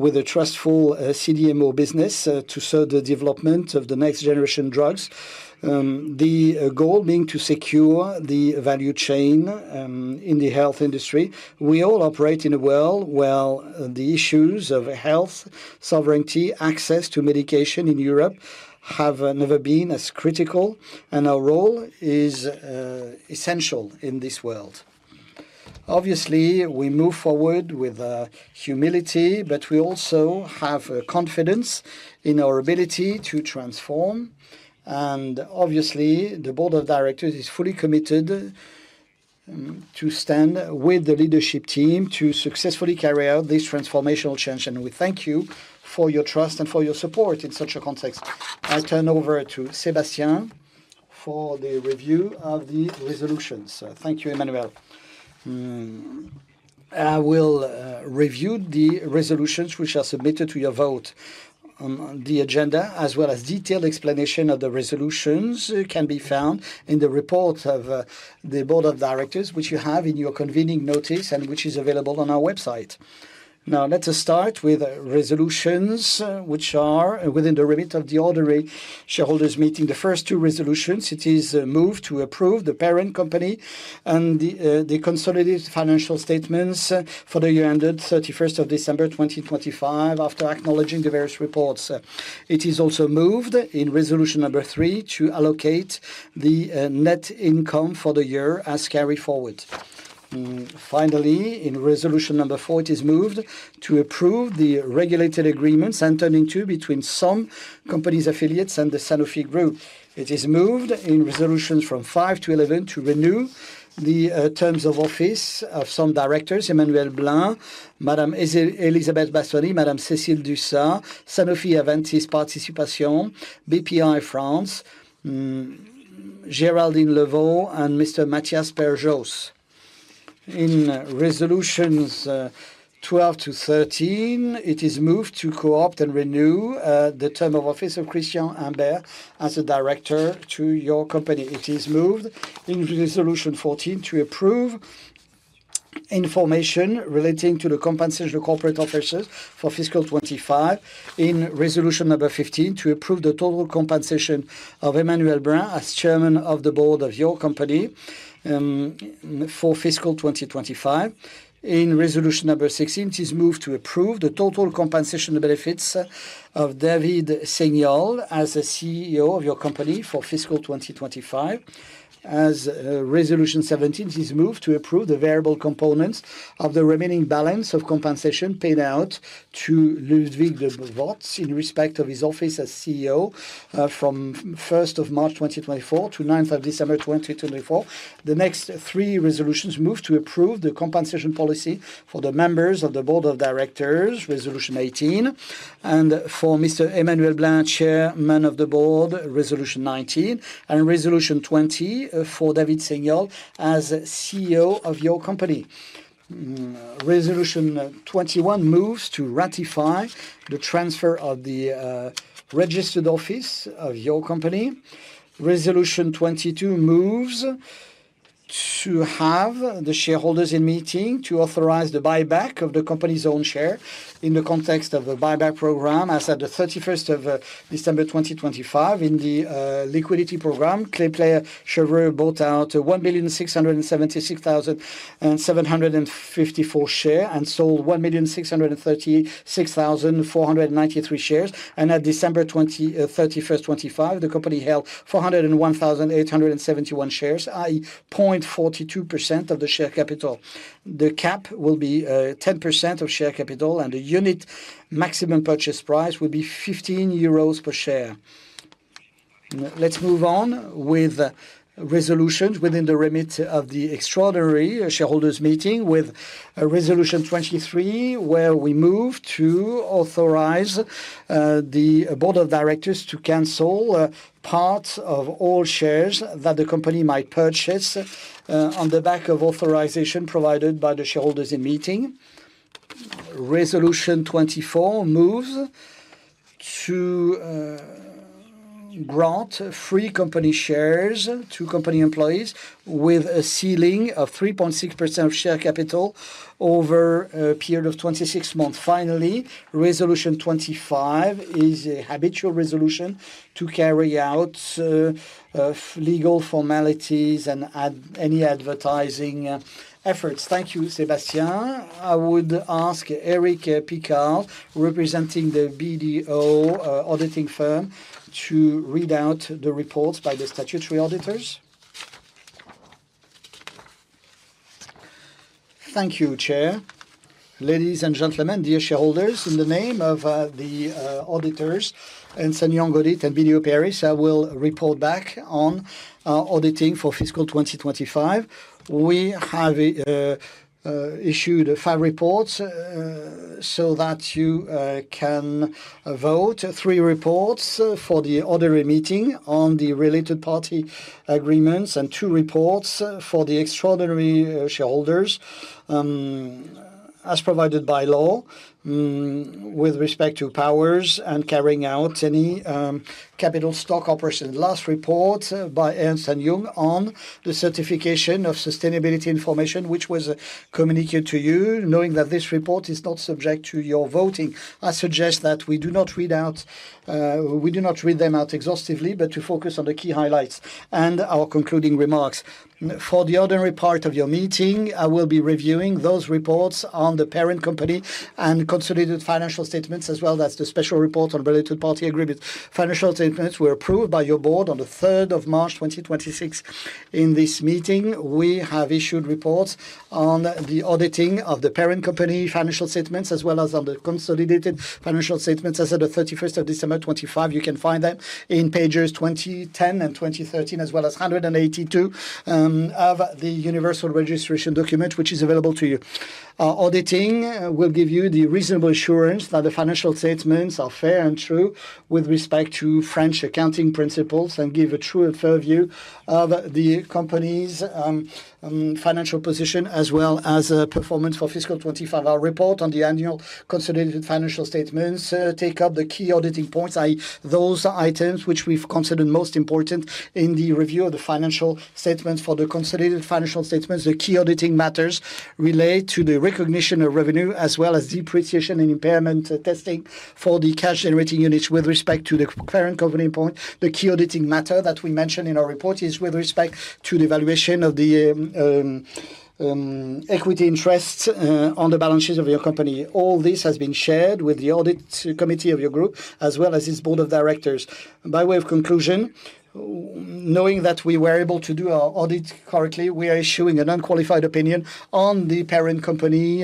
with a trustful CDMO business to serve the development of the next generation drugs. The goal being to secure the value chain in the health industry. We all operate in a world where the issues of health, sovereignty, access to medication in Europe have never been as critical, and our role is essential in this world. Obviously, we move forward with humility, but we also have confidence in our ability to transform. Obviously, the board of directors is fully committed to stand with the leadership team to successfully carry out this transformational change. We thank you for your trust and for your support in such a context. I turn over to Sébastien for the review of the resolutions. Thank you, Emmanuel. I will review the resolutions which are submitted to your vote. The agenda, as well as detailed explanation of the resolutions, can be found in the report of the board of directors, which you have in your convening notice and which is available on our website. Let us start with resolutions which are within the remit of the ordinary shareholder's meeting. The first two resolutions, it is moved to approve the parent company and the consolidated financial statements for the year ended 31st of December 2025, after acknowledging the various reports. It is also moved in resolution number three to allocate the net income for the year as carry forward. Finally, in resolution number four, it is moved to approve the regulated agreement signed between some companies affiliates and the Sanofi Group. It is moved in resolutions from five to 11 to renew the terms of office of some directors, Emmanuel Blin, Elizabeth Bastoni, Cécile Dussart, Sanofi-Aventis Participations SAS, Bpifrance, Géraldine Leveau, and Mattias Perjos. In resolutions 12-13, it is moved to co-opt and renew the term of office of Tristan Imbert as a director to your company. It is moved in resolution 14 to approve information relating to the compensation of corporate officers for fiscal 2025. In resolution number 15, to approve the total compensation of Emmanuel Blin as Chairman of the Board of your company for fiscal 2025. In resolution number 16, it is moved to approve the total compensation benefits of David Seignolle as a CEO of your company for fiscal 2025. As resolution 17, it is moved to approve the variable components of the remaining balance of compensation paid out to Ludwig de Mot in respect of his office as CEO from 1st of March 2024- 9th of December 2024. The next three resolutions move to approve the compensation policy for the members of the board of directors, resolution 18, and for Mr. Emmanuel Blin, Chairman of the Board, resolution 19, and resolution 20, for David Seignolle as CEO of your company. Resolution 21 moves to ratify the transfer of the registered office of your company. Resolution 22 moves to have the shareholders in meeting to authorize the buyback of the company's own share in the context of a buyback program as at the 31st of December 2025. In the liquidity program, Kepler Cheuvreux bought out 1,676,754 share and sold 1,636,493 shares. At December 31st 2025, the company held 401,871 shares, i.e., 0.42% of the share capital. The cap will be 10% of share capital, the unit maximum purchase price will be 15 euros per share. Let's move on with resolutions within the remit of the extraordinary shareholders meeting with Resolution 23, where we move to authorize the board of directors to cancel parts of all shares that the company might purchase on the back of authorization provided by the shareholders in meeting. Resolution 24 moves to grant free company shares to company employees with a ceiling of 3.6% of share capital over a period of 26 months. Finally, resolution 25 is a habitual resolution to carry out legal formalities and any advertising efforts. Thank you, Sébastien. I would ask Eric Picarle, representing the BDO auditing firm, to read out the reports by the statutory auditors. Thank you, Chair. Ladies and gentlemen, dear shareholders, in the name of the auditors, Ernst & Young Audit and BDO Paris, I will report back on auditing for fiscal 2025. We have issued five reports so that you can vote. Three reports for the ordinary meeting on the related party agreements, and two reports for the extraordinary shareholders, as provided by law with respect to powers and carrying out any capital stock operation. Last report by Ernst & Young Audit on the certification of sustainability information, which was communicated to you, knowing that this report is not subject to your voting. I suggest that we do not read them out exhaustively, but to focus on the key highlights and our concluding remarks. For the ordinary part of your meeting, I will be reviewing those reports on the parent company and consolidated financial statements as well as the special report on related party agreements. Financial statements were approved by your Board on the 3rd of March 2026. In this meeting, we have issued reports on the auditing of the parent company financial statements as well as on the consolidated financial statements as at the 31st of December 2025. You can find them in pages 2,010 and 2,013, as well as 182 of the universal registration document, which is available to you. Our auditing will give you the reasonable assurance that the financial statements are fair and true with respect to French accounting principles and give a true and fair view of the company's financial position as well as performance for FY 2025. Our report on the annual consolidated financial statements take up the key auditing points, i.e., those items which we've considered most important in the review of the financial statements. For the consolidated financial statements, the key auditing matters relate to the recognition of revenue as well as depreciation and impairment testing. For the cash-generating units with respect to the parent company point, the key auditing matter that we mentioned in our report is with respect to the valuation of the equity interest on the balance sheets of your company. All this has been shared with the audit committee of your group, as well as its board of directors. By way of conclusion, knowing that we were able to do our audit correctly, we are issuing an unqualified opinion on the parent company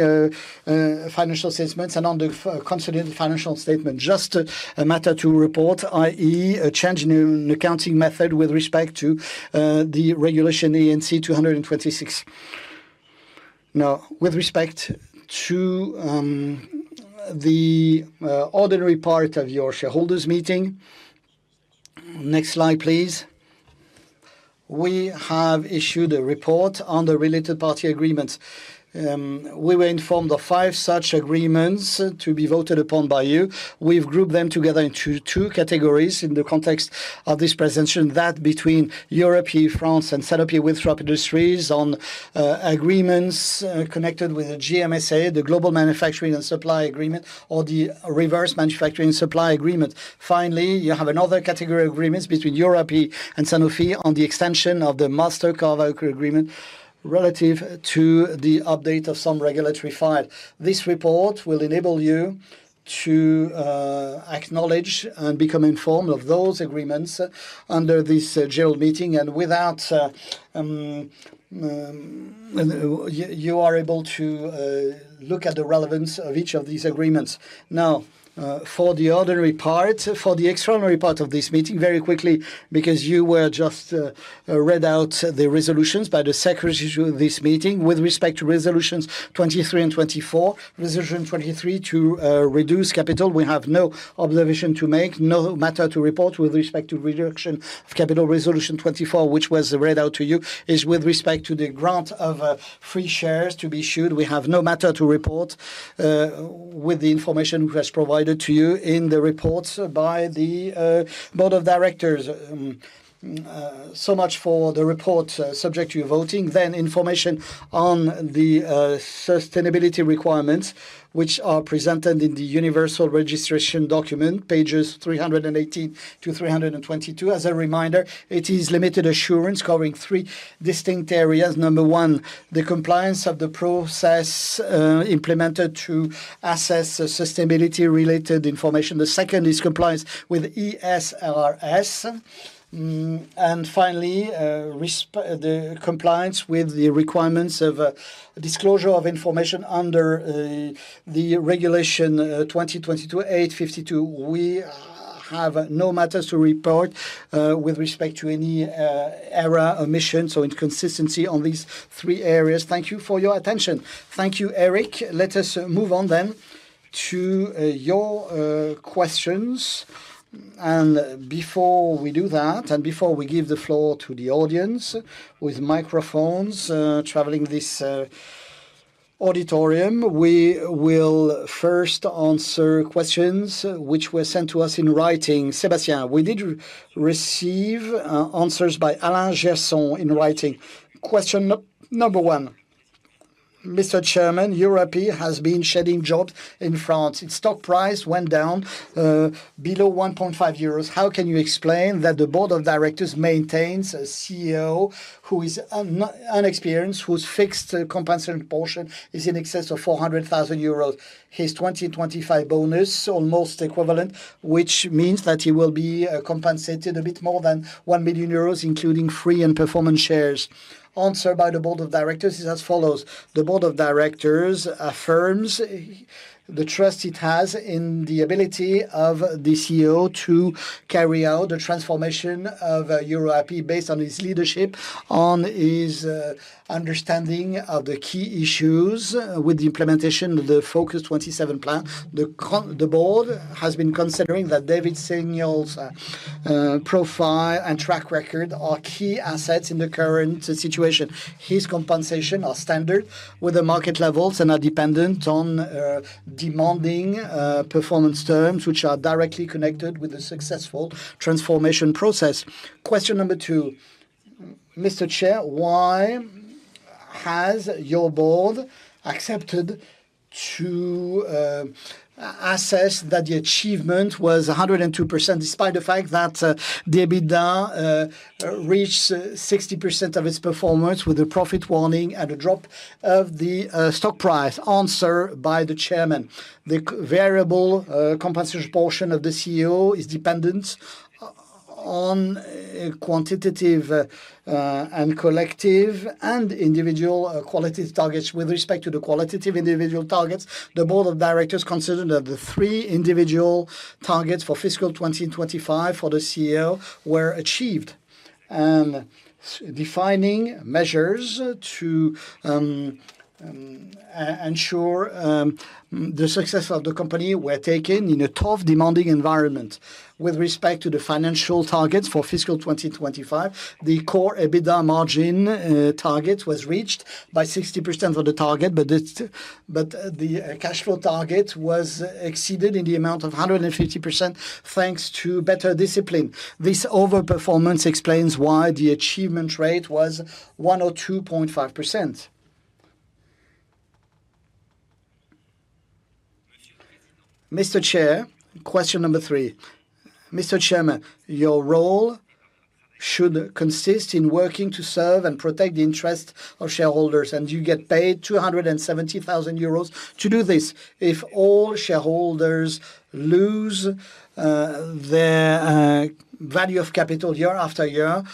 financial assessments and on the consolidated financial statement. Just a matter to report, i.e., a change in accounting method with respect to the regulation ANC 2022-06. With respect to the ordinary part of your shareholders' meeting. Next slide, please. We have issued a report on the related party agreements. We were informed of five such agreements to be voted upon by you. We've grouped them together into two categories in the context of this presentation. That between EUROAPI France and Sanofi Winthrop Industries on agreements connected with the GMSA, the Global Manufacturing and Supply Agreement, or the Reverse Manufacturing Supply Agreement. You have another category of agreements between EUROAPI and Sanofi on the extension of the Master Carve-out Agreement relative to the update of some regulatory files. This report will enable you to acknowledge and become informed of those agreements under this general meeting, and you are able to look at the relevance of each of these agreements. For the ordinary part, for the extraordinary part of this meeting, very quickly, because you were just read out the resolutions by the secretaries to this meeting with respect to resolutions 23 and 24. Resolution 23 to reduce capital, we have no observation to make, no matter to report with respect to reduction of capital. Resolution 24, which was read out to you, is with respect to the grant of free shares to be issued. We have no matter to report with the information which was provided to you in the reports by the board of directors. Much for the report subject to your voting. Information on the sustainability requirements, which are presented in the universal registration document, pages 318-322. As a reminder, it is limited assurance covering three distinct areas. Number one, the compliance of the process implemented to assess sustainability-related information. The second is compliance with ESRS. Finally, the compliance with the requirements of disclosure of information under the Regulation 2022/852. We have no matters to report with respect to any error, omission, or inconsistency on these three areas. Thank you for your attention. Thank you, Eric. Let us move on then to your questions. Before we do that, before we give the floor to the audience with microphones traveling this auditorium, we will first answer questions which were sent to us in writing. Sébastien. We did receive answers by Alain Gerson in writing. Question number one. Mr. Chairman, EUROAPI has been shedding jobs in France. Its stock price went down below 1.5 euros. How can you explain that the Board of Directors maintains a CEO who is inexperienced, whose fixed compensation portion is in excess of 400,000 euros? His 2025 bonus, almost equivalent, which means that he will be compensated a bit more than 1 million euros, including free and performance shares. Answer by the Board of Directors is as follows. The board of directors affirms the trust it has in the ability of the CEO to carry out the transformation of EUROAPI based on his leadership, on his understanding of the key issues with the implementation of the FOCUS-27 plan. The board has been considering that David Seignolle's profile and track record are key assets in the current situation. His compensation are standard with the market levels and are dependent on demanding performance terms, which are directly connected with the successful transformation process. Question number two. Mr. Chair, why has your board accepted to assess that the achievement was 102%, despite the fact that the EBITDA reached 60% of its performance with a profit warning and a drop of the stock price? Answer by the Chairman. The variable compensation portion of the CEO is dependent on quantitative and collective and individual qualitative targets. With respect to the qualitative individual targets, the Board of Directors considered that the three individual targets for fiscal 2025 for the CEO were achieved, and defining measures to ensure the success of the company were taken in a tough, demanding environment. With respect to the financial targets for fiscal 2025, the Core EBITDA margin target was reached by 60% of the target, but the cash flow target was exceeded in the amount of 150% thanks to better discipline. This overperformance explains why the achievement rate was 102.5%. Mr. Chair, question number three. Mr. Chairman, your role should consist in working to serve and protect the interest of shareholders, and you get paid 270,000 euros to do this. If all shareholders lose their value of capital year after year,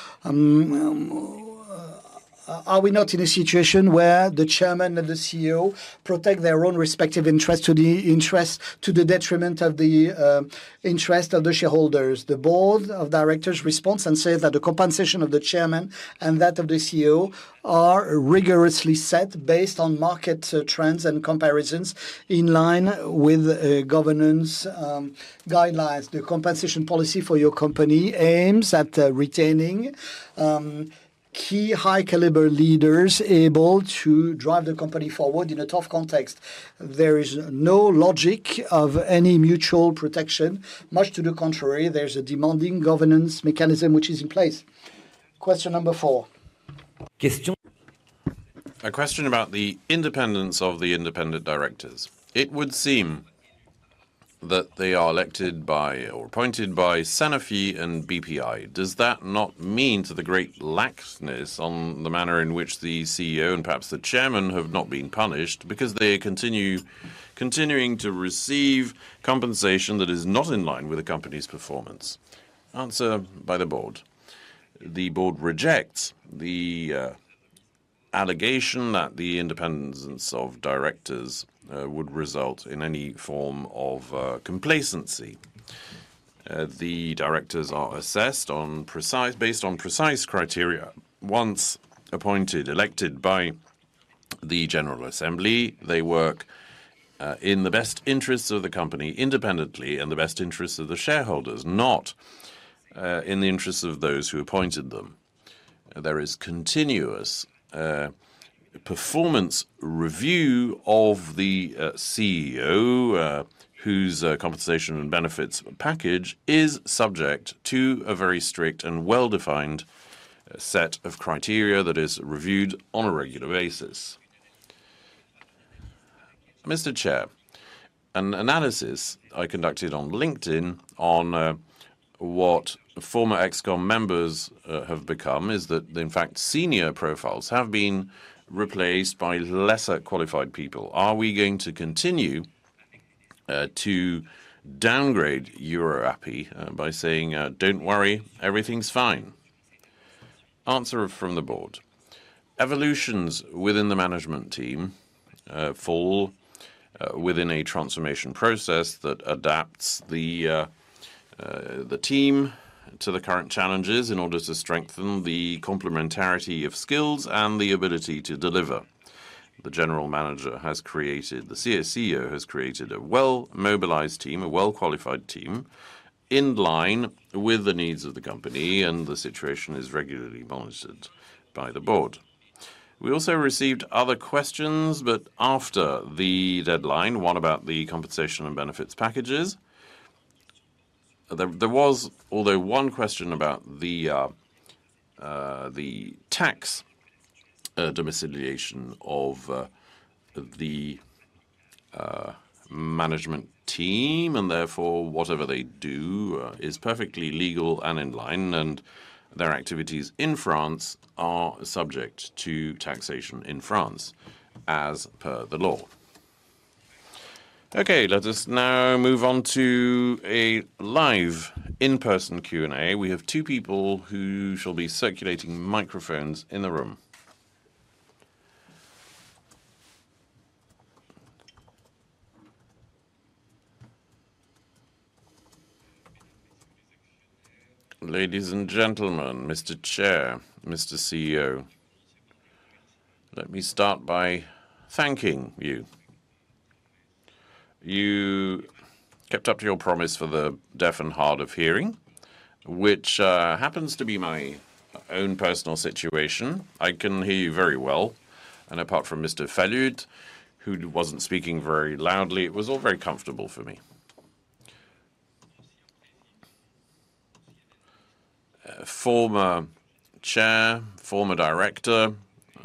are we not in a situation where the chairman and the CEO protect their own respective interests to the detriment of the interest of the shareholders? The board of directors responds and say that the compensation of the chairman and that of the CEO are rigorously set based on market trends and comparisons in line with governance guidelines. The compensation policy for your company aims at retaining key high caliber leaders able to drive the company forward in a tough context. There is no logic of any mutual protection. Much to the contrary, there's a demanding governance mechanism which is in place. Question number four. A question about the independence of the independent directors. It would seem that they are elected by or appointed by Sanofi and BPI. Does that not mean to the great laxness on the manner in which the CEO and perhaps the chairman have not been punished because they continuing to receive compensation that is not in line with the company's performance? Answer by the board. The board rejects the allegation that the independence of directors would result in any form of complacency. The directors are assessed based on precise criteria. Once appointed, elected by the general assembly, they work in the best interests of the company independently and the best interests of the shareholders, not in the interests of those who appointed them. There is continuous performance review of the CEO, whose compensation and benefits package is subject to a very strict and well-defined set of criteria that is reviewed on a regular basis. Mr. Chair, an analysis I conducted on LinkedIn on what former ExCo members have become is that, in fact, senior profiles have been replaced by lesser qualified people. Are we going to continue to downgrade EUROAPI by saying, "Don't worry, everything's fine"? Answer from the board. Evolutions within the management team fall within a transformation process that adapts the team to the current challenges in order to strengthen the complementarity of skills and the ability to deliver. The CEO has created a well-mobilized team, a well-qualified team, in line with the needs of the company, and the situation is regularly monitored by the board. We also received other questions after the deadline, one about the compensation and benefits packages. There was, although, one question about the tax domiciliation of the management team. Therefore whatever they do is perfectly legal and in line, and their activities in France are subject to taxation in France as per the law. Okay, let us now move on to a live in-person Q&A. We have two people who shall be circulating microphones in the room. Ladies and gentlemen, Mr. Chair, Mr. CEO, let me start by thanking you. You kept up to your promise for the deaf and hard of hearing, which happens to be my own personal situation. I can hear you very well. Apart from Mr. Falut, who wasn't speaking very loudly, it was all very comfortable for me. Former chair, former director,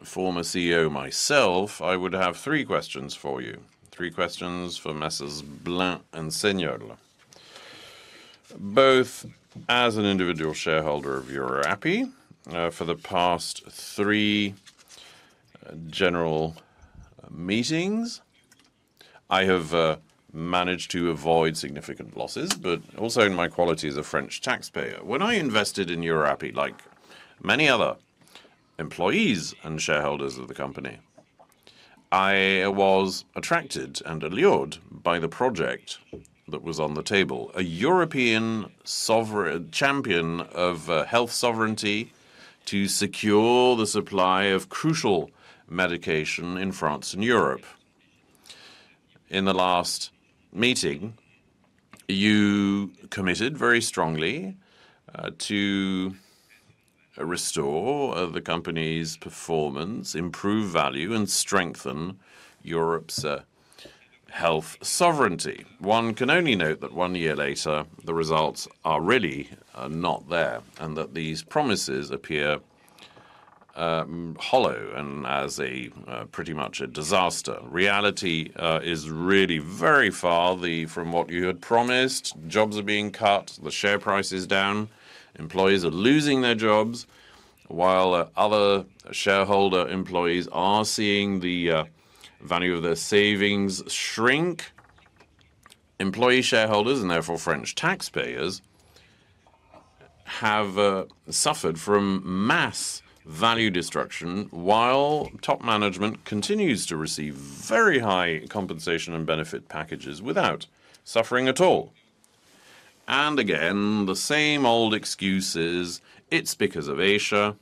former CEO myself, I would have three questions for you. Three questions for Messrs. Blin and Seignolle. Both as an individual shareholder of EUROAPI, for the past three general meetings, I have managed to avoid significant losses, but also in my quality as a French taxpayer. When I invested in EUROAPI, like many other employees and shareholders of the company, I was attracted and allured by the project that was on the table, a European champion of health sovereignty to secure the supply of crucial medication in France and Europe. In the last meeting, you committed very strongly to restore the company's performance, improve value, and strengthen Europe's Health sovereignty. One can only note that one year later, the results are really not there, and that these promises appear hollow and as pretty much a disaster. Reality is really very far from what you had promised. Jobs are being cut, the share price is down, employees are losing their jobs, while other shareholder employees are seeing the value of their savings shrink. Employee shareholders, and therefore French taxpayers, have suffered from mass value destruction while top management continues to receive very high compensation and benefit packages without suffering at all. Again, the same old excuses. It's because of Asia.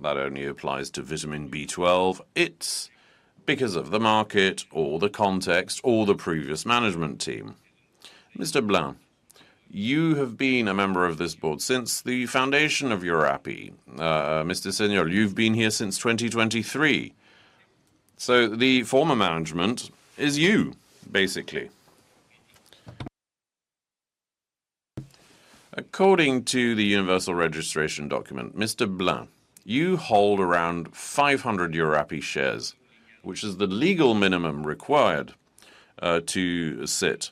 That only applies to vitamin B12. It's because of the market, or the context, or the previous management team. Mr. Blin, you have been a member of this board since the foundation of EUROAPI. Mr. Seignolle, you've been here since 2023. The former management is you, basically. According to the universal registration document, Mr. Blin, you hold around 500 EUROAPI shares, which is the legal minimum required to sit.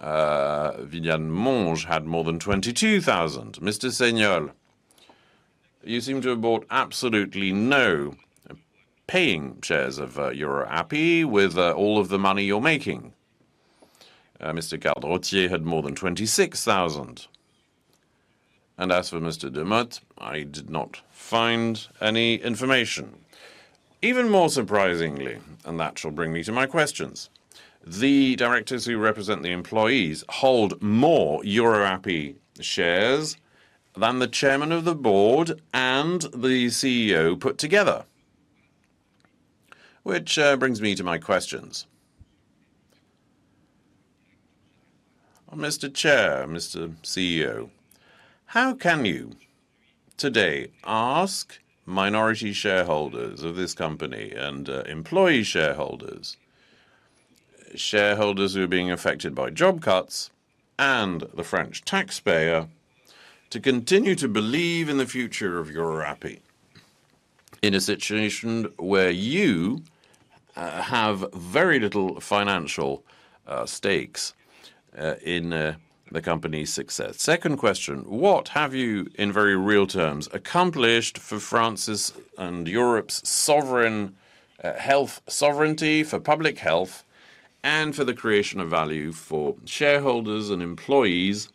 Viviane Monges had more than 22,000. Mr. Seignolle, you seem to have bought absolutely no paying shares of EUROAPI with all of the money you're making. Mr. Gardet had more than 26,000. As for Mr. de Mot, I did not find any information. Even more surprisingly, and that shall bring me to my questions, the directors who represent the employees hold more EUROAPI shares than the Chair of the Board and the CEO put together. Which brings me to my questions. Mr. Chair, Mr. CEO, how can you today ask minority shareholders of this company and employee shareholders who are being affected by job cuts, and the French taxpayer to continue to believe in the future of EUROAPI in a situation where you have very little financial stakes in the company's success? Second question, what have you, in very real terms, accomplished for France's and Europe's sovereign health sovereignty for public health and for the creation of value for shareholders and employees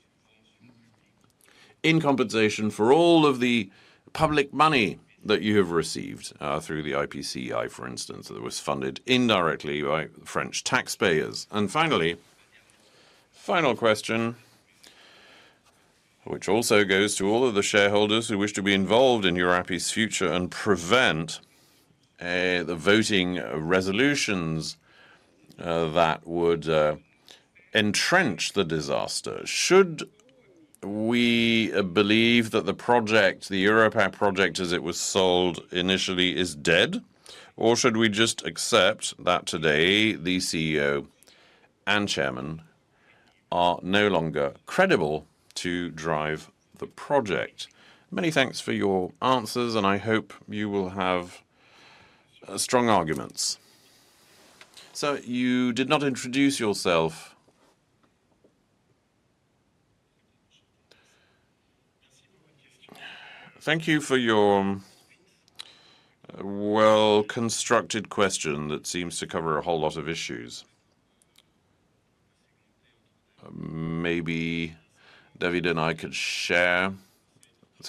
in compensation for all of the public money that you have received through the IPCEI, for instance, that was funded indirectly by French taxpayers? Finally, final question, which also goes to all of the shareholders who wish to be involved in EUROAPI's future and prevent the voting resolutions that would entrench the disaster. Should we believe that the EUROAPI project as it was sold initially is dead, or should we just accept that today the CEO and Chairman are no longer credible to drive the project? Many thanks for your answers. I hope you will have strong arguments. You did not introduce yourself. Thank you for your well-constructed question that seems to cover a whole lot of issues. Maybe David and I could share.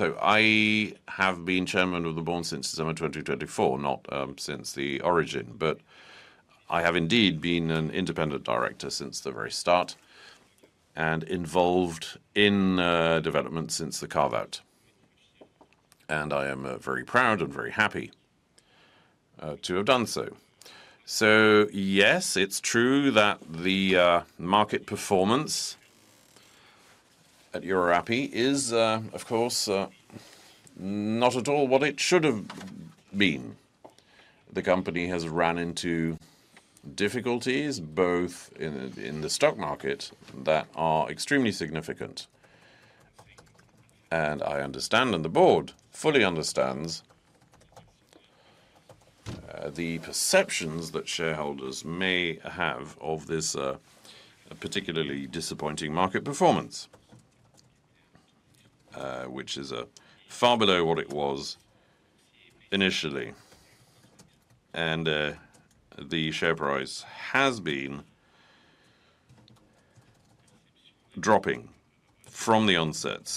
I have been chairman of the board since December 2024, not since the origin, but I have indeed been an independent director since the very start and involved in development since the carve-out. I am very proud and very happy to have done so. Yes, it's true that the market performance at EUROAPI is, of course, not at all what it should have been. The company has run into difficulties, both in the stock market that are extremely significant. I understand, and the board fully understands, the perceptions that shareholders may have of this particularly disappointing market performance which is far below what it was initially. The share price has been dropping from the onset.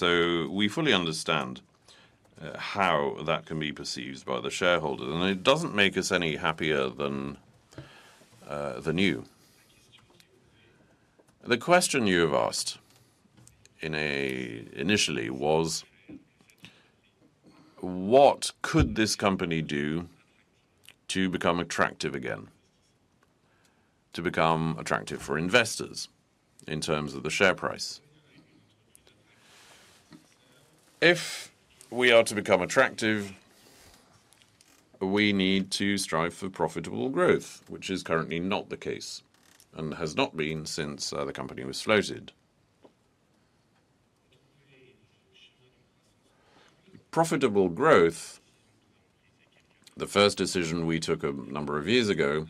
We fully understand how that can be perceived by the shareholders, and it doesn't make us any happier than you. The question you have asked initially was, what could this company do to become attractive again? To become attractive for investors in terms of the share price. If we are to become attractive, we need to strive for profitable growth, which is currently not the case, and has not been since the company was floated. Profitable growth, the first decision we took a number of years ago,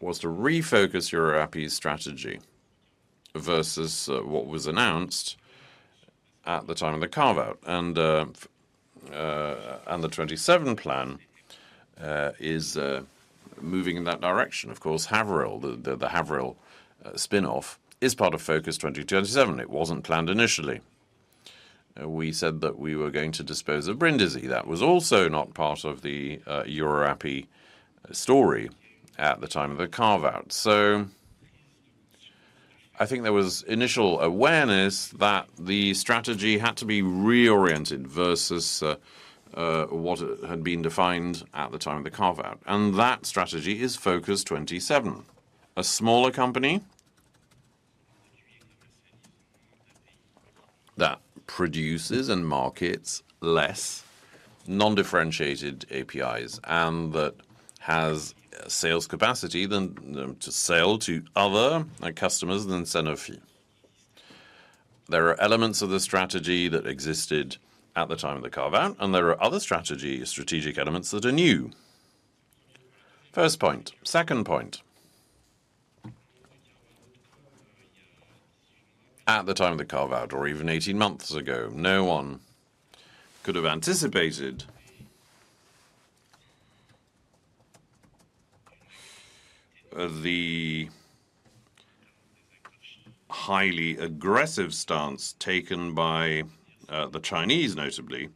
was to refocus EUROAPI's strategy versus what was announced at the time of the carve-out. The 27 plan is moving in that direction. Of course, Haverhill, the Haverhill spin-off is part of Focus 2027. It wasn't planned initially. We said that we were going to dispose of Brindisi. That was also not part of the EUROAPI story at the time of the carve-out. I think there was initial awareness that the strategy had to be reoriented versus what had been defined at the time of the carve-out. That strategy is FOCUS-27. A smaller company that produces and markets less non-differentiated APIs, and that has sales capacity to sell to other customers than Sanofi. There are elements of the strategy that existed at the time of the carve-out, and there are other strategic elements that are new. First point. Second point. At the time of the carve-out, or even 18 months ago, no one could have anticipated the highly aggressive stance taken by the Chinese notably,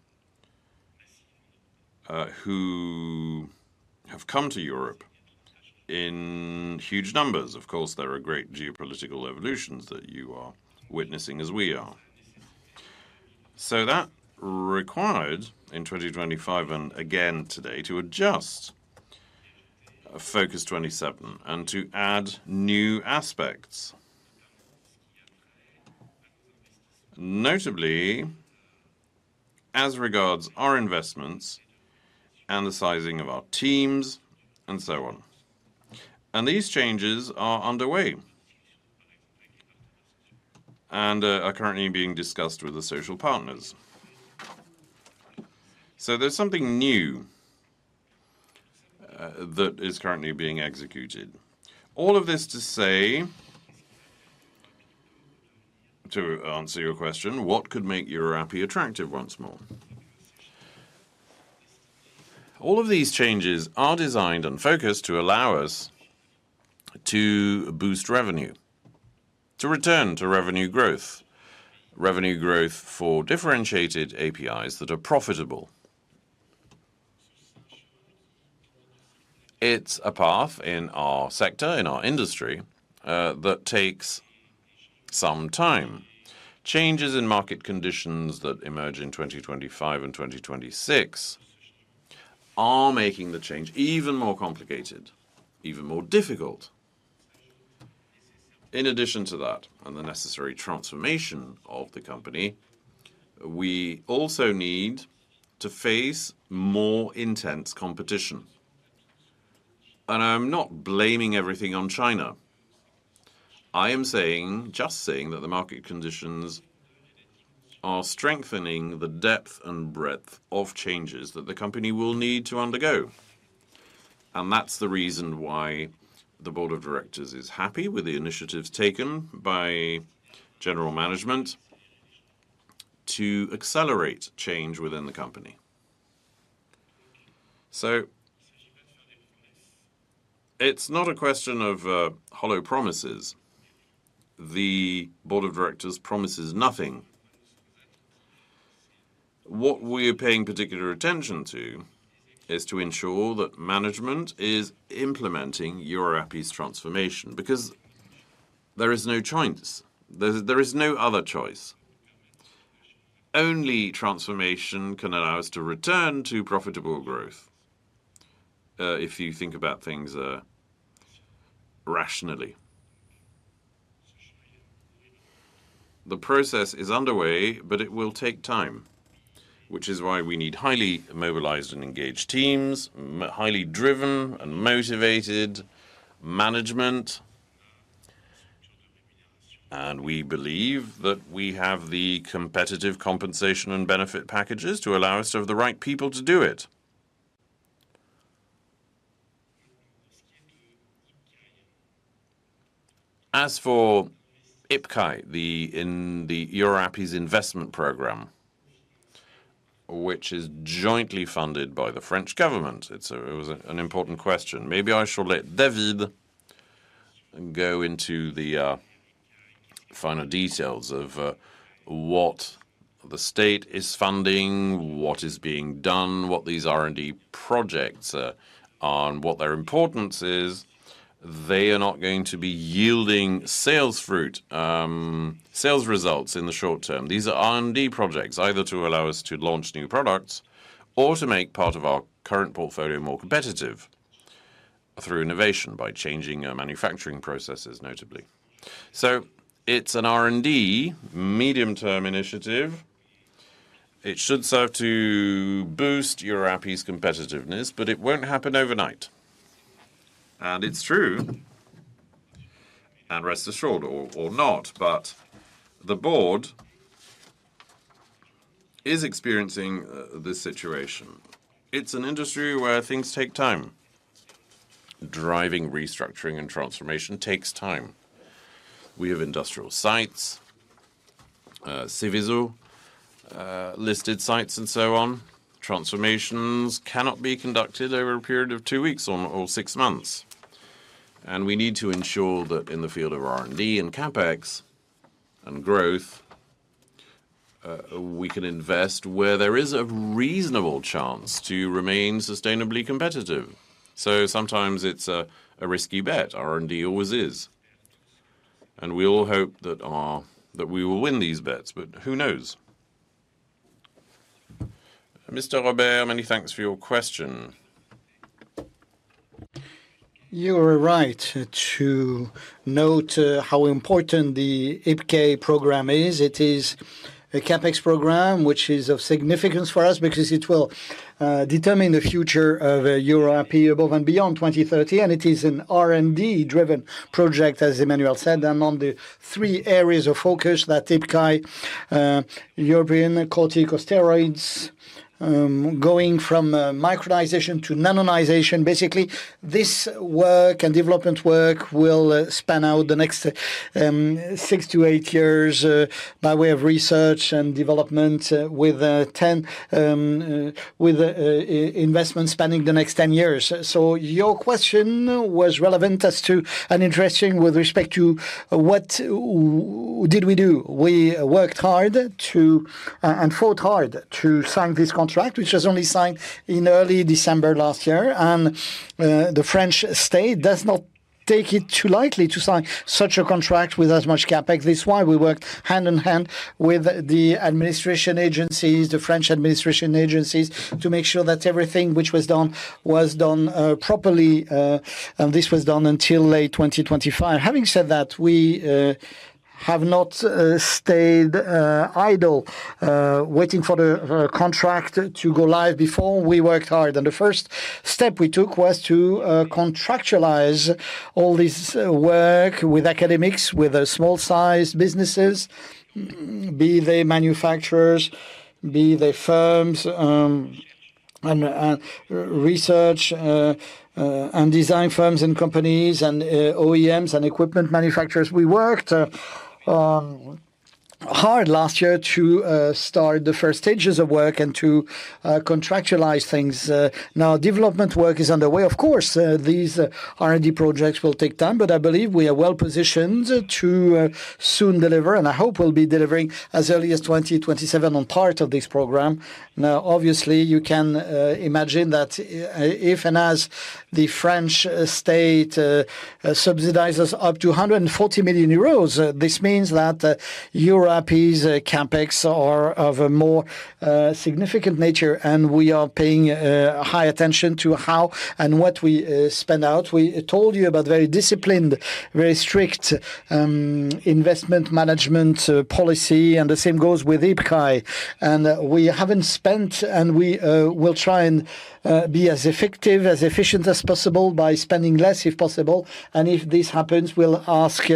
who have come to Europe in huge numbers. Of course, there are great geopolitical evolutions that you are witnessing as we are. That required in 2025, and again today, to adjust FOCUS-27 and to add new aspects. Notably, as regards our investments and the sizing of our teams and so on. These changes are underway and are currently being discussed with the social partners. There's something new that is currently being executed. All of this to say, to answer your question, what could make EUROAPI attractive once more? All of these changes are designed and focused to allow us to boost revenue, to return to revenue growth. Revenue growth for differentiated APIs that are profitable. It's a path in our sector, in our industry, that takes some time. Changes in market conditions that emerge in 2025 and 2026 are making the change even more complicated, even more difficult. In addition to that and the necessary transformation of the company, we also need to face more intense competition. I'm not blaming everything on China. I am just saying that the market conditions are strengthening the depth and breadth of changes that the company will need to undergo. That's the reason why the board of directors is happy with the initiatives taken by general management to accelerate change within the company. It's not a question of hollow promises. The board of directors promises nothing. What we are paying particular attention to is to ensure that management is implementing EUROAPI's transformation, because there is no choice. There is no other choice. Only transformation can allow us to return to profitable growth, if you think about things rationally. The process is underway, but it will take time, which is why we need highly mobilized and engaged teams, highly driven and motivated management. We believe that we have the competitive compensation and benefit packages to allow us to have the right people to do it. As for IPCEI, in the EUROAPI's investment program, which is jointly funded by the French government. It was an important question. Maybe I should let David go into the finer details of what the state is funding, what is being done, what these R&D projects are, and what their importance is. They are not going to be yielding sales results in the short-term. These are R&D projects, either to allow us to launch new products or to make part of our current portfolio more competitive through innovation, by changing our manufacturing processes, notably. It's an R&D medium-term initiative. It should serve to boost EUROAPI's competitiveness, but it won't happen overnight. It's true, and rest assured or not, but the board is experiencing this situation. It's an industry where things take time. Driving restructuring and transformation takes time. We have industrial sites, Seveso-listed sites, and so on. Transformations cannot be conducted over a period of two weeks or six months. We need to ensure that in the field of R&D and CapEx and growth, we can invest where there is a reasonable chance to remain sustainably competitive. Sometimes it's a risky bet. R&D always is. We all hope that we will win these bets, but who knows? Mr. Robert, many thanks for your question. You are right to note how important the IPCEI program is. It is a CapEx program which is of significance for us because it will determine the future of EUROAPI above and beyond 2030, and it is an R&D-driven project, as Emmanuel said, and on the three areas of focus that IPCEI, European corticosteroids, going from micronization to nanonization. Basically, this work and development work will span out the next six to eight years, by way of research and development, with investment spanning the next 10 years. Your question was relevant as to, and interesting with respect to, what did we do? We worked hard and fought hard to sign this contract, which was only signed in early December last year. The French state does not take it lightly to sign such a contract with as much CapEx. This is why we worked hand in hand with the administration agencies, the French administration agencies, to make sure that everything which was done was done properly, and this was done until late 2025. Having said that, we have not stayed idle, waiting for the contract to go live. Before, we worked hard, and the first step we took was to contractualize all this work with academics, with small size businesses, be they manufacturers, be they firms, and research and design firms and companies and OEMs and equipment manufacturers. We worked hard last year to start the first stages of work and to contractualize things. Development work is underway. Of course, these R&D projects will take time, but I believe we are well positioned to soon deliver, and I hope we'll be delivering as early as 2027 on part of this program. Obviously, you can imagine that if and as the French state subsidizes up to 140 million euros, this means that EUROAPI's CapEx are of a more significant nature, and we are paying high attention to how and what we spend out. We told you about very disciplined, very strict investment management policy, and the same goes with IPCEI. We haven't spent, and we will try and be as effective, as efficient as possible by spending less, if possible. If this happens, we'll ask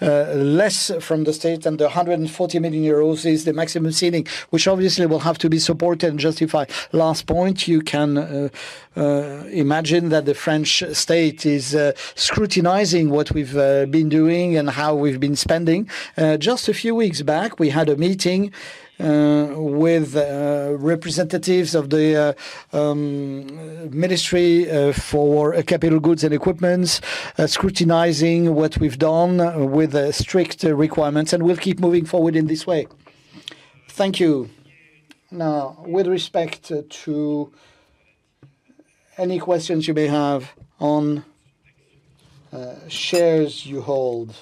less from the state, and the 140 million euros is the maximum ceiling, which obviously will have to be supported and justified. Last point, you can imagine that the French state is scrutinizing what we've been doing and how we've been spending. Just a few weeks back, we had a meeting with representatives of the Ministry for Capital Goods and Equipments scrutinizing what we've done with strict requirements, and we'll keep moving forward in this way. Thank you. With respect to any questions you may have on shares you hold.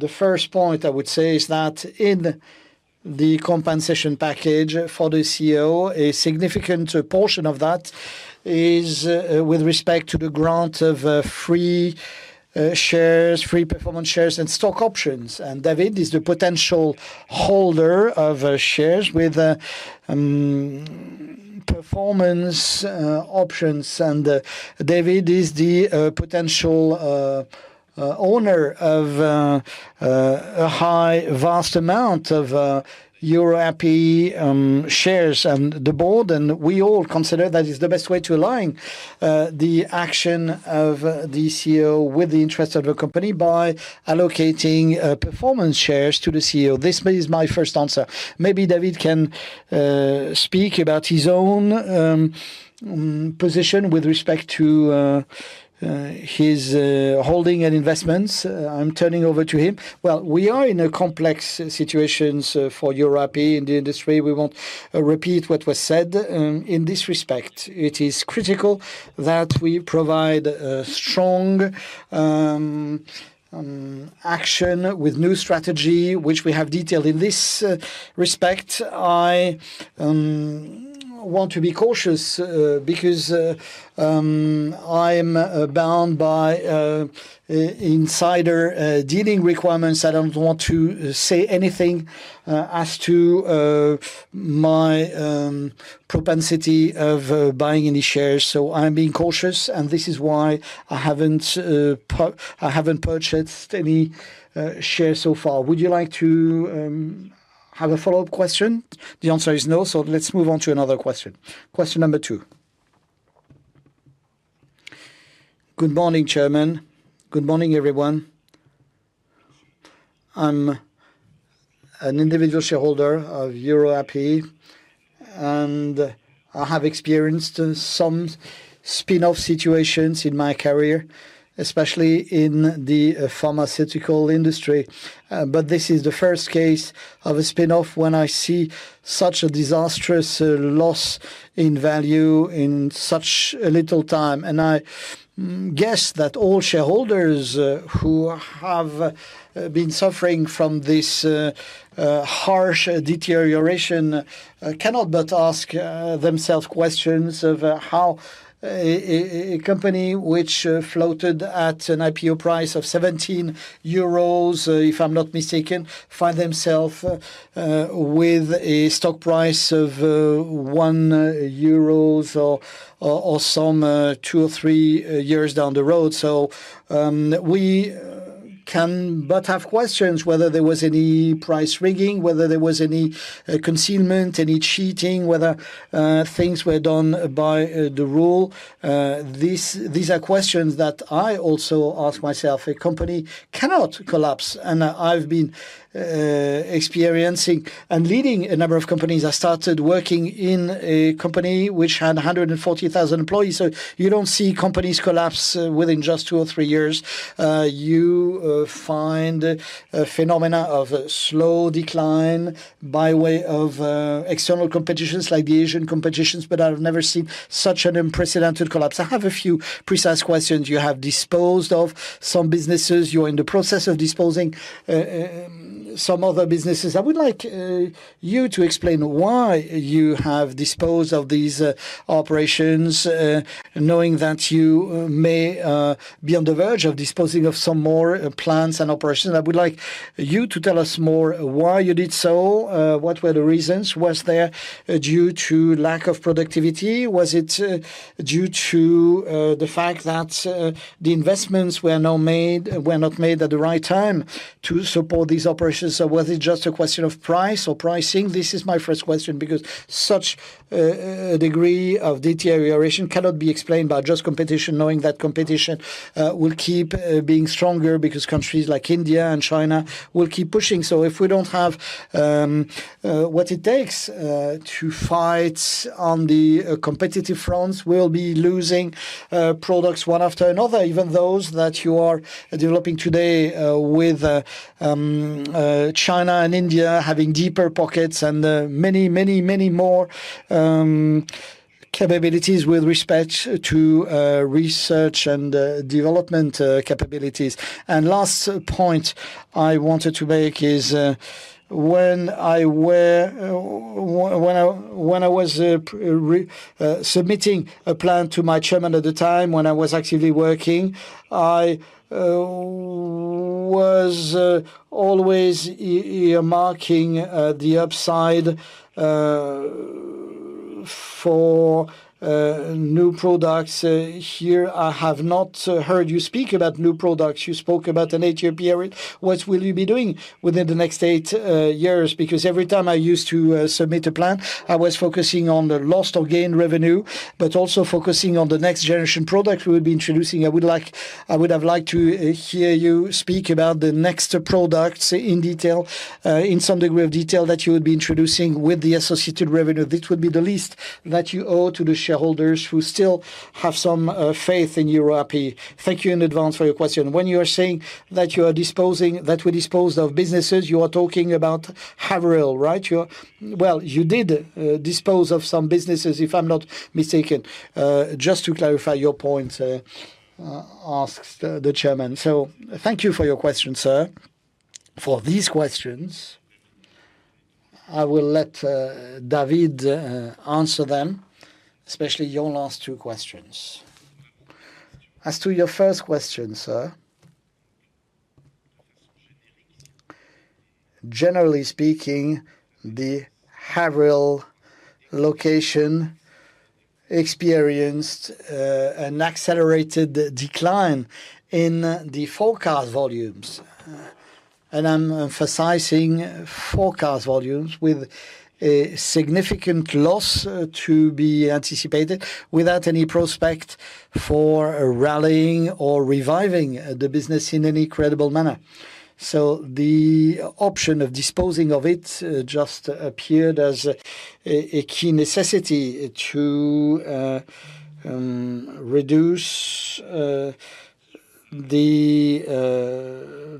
The first point I would say is that in the compensation package for the CEO, a significant portion of that is with respect to the grant of free shares, free performance shares, and stock options, and David is the potential holder of shares with performance options, and David is the potential owner of a high, vast amount of EUROAPI shares. The board, and we all consider that is the best way to align the action of the CEO with the interest of the company by allocating performance shares to the CEO. This is my first answer. Maybe David can speak about his own position with respect to his holding and investments. I'm turning over to him. We are in a complex situation for EUROAPI in the industry. We won't repeat what was said. In this respect, it is critical that we provide a strong action with new strategy, which we have detailed. In this respect, I want to be cautious because I'm bound by insider dealing requirements. I don't want to say anything as to my propensity of buying any shares. I'm being cautious, and this is why I haven't purchased any shares so far. Would you like to have a follow-up question? The answer is no, let's move on to another question. Question number two. Good morning, Chairman. Good morning, everyone. I'm an individual shareholder of EUROAPI, and I have experienced some spin-off situations in my career, especially in the pharmaceutical industry. This is the first case of a spin-off when I see such a disastrous loss in value in such a little time. I guess that all shareholders who have been suffering from this harsh deterioration cannot but ask themselves questions of how a company which floated at an IPO price of 17 euros, if I'm not mistaken, find themself with a stock price of 1 euros or some 2 or 3 down the road. We can but have questions whether there was any price rigging, whether there was any concealment, any cheating, whether things were done by the rule. These are questions that I also ask myself. A company cannot collapse. I've been experiencing and leading a number of companies. I started working in a company which had 140,000 employees. You don't see companies collapse within just two or three years. You find a phenomenon of slow decline by way of external competitions like the Asian competitions, I've never seen such an unprecedented collapse. I have a few precise questions. You have disposed of some businesses. You're in the process of disposing some other businesses. I would like you to explain why you have disposed of these operations, knowing that you may be on the verge of disposing of some more plants and operations. I would like you to tell us more why you did so. What were the reasons? Was it due to lack of productivity? Was it due to the fact that the investments were not made at the right time to support these operations? Was it just a question of price or pricing? This is my first question because such a degree of deterioration cannot be explained by just competition, knowing that competition will keep being stronger because countries like India and China will keep pushing. If we don't have what it takes to fight on the competitive fronts, we'll be losing products one after another, even those that you are developing today, with China and India having deeper pockets and many more capabilities with respect to research and development capabilities. Last point I wanted to make is when I was submitting a plan to my chairman at the time when I was actively working, I was always marking the upside for new products. Here, I have not heard you speak about new products. You spoke about an eight-year period. What will you be doing within the next eight years? Every time I used to submit a plan, I was focusing on the lost or gained revenue, but also focusing on the next generation product we would be introducing. I would have liked to hear you speak about the next products in some degree of detail that you would be introducing with the associated revenue. This would be the least that you owe to the shareholders who still have some faith in EUROAPI. Thank you in advance for your question. When you are saying that we disposed of businesses, you are talking about Haverhill, right? Well, you did dispose of some businesses, if I'm not mistaken. Just to clarify your point, asks the chairman. Thank you for your question, sir. For these questions, I will let David answer them, especially your last two questions. As to your first question, sir, generally speaking, the Haverhill location experienced an accelerated decline in the forecast volumes. I'm emphasizing forecast volumes with a significant loss to be anticipated without any prospect for rallying or reviving the business in any credible manner. The option of disposing of it just appeared as a key necessity to reduce the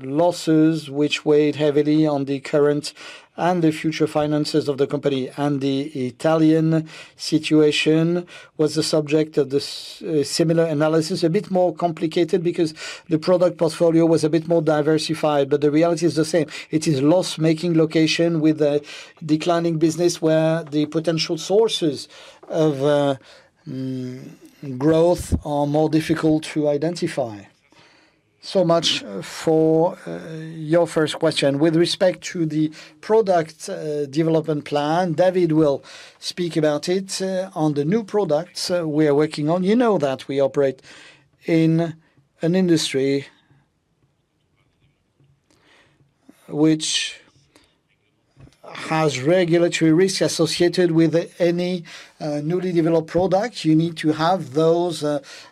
losses which weighed heavily on the current and the future finances of the company. The Italian situation was the subject of this similar analysis. A bit more complicated because the product portfolio was a bit more diversified, but the reality is the same. It is loss-making location with a declining business where the potential sources of growth are more difficult to identify. Much for your first question. With respect to the product development plan, David will speak about it. On the new products we are working on, you know that we operate in an industry which has regulatory risks associated with any newly developed product. You need to have those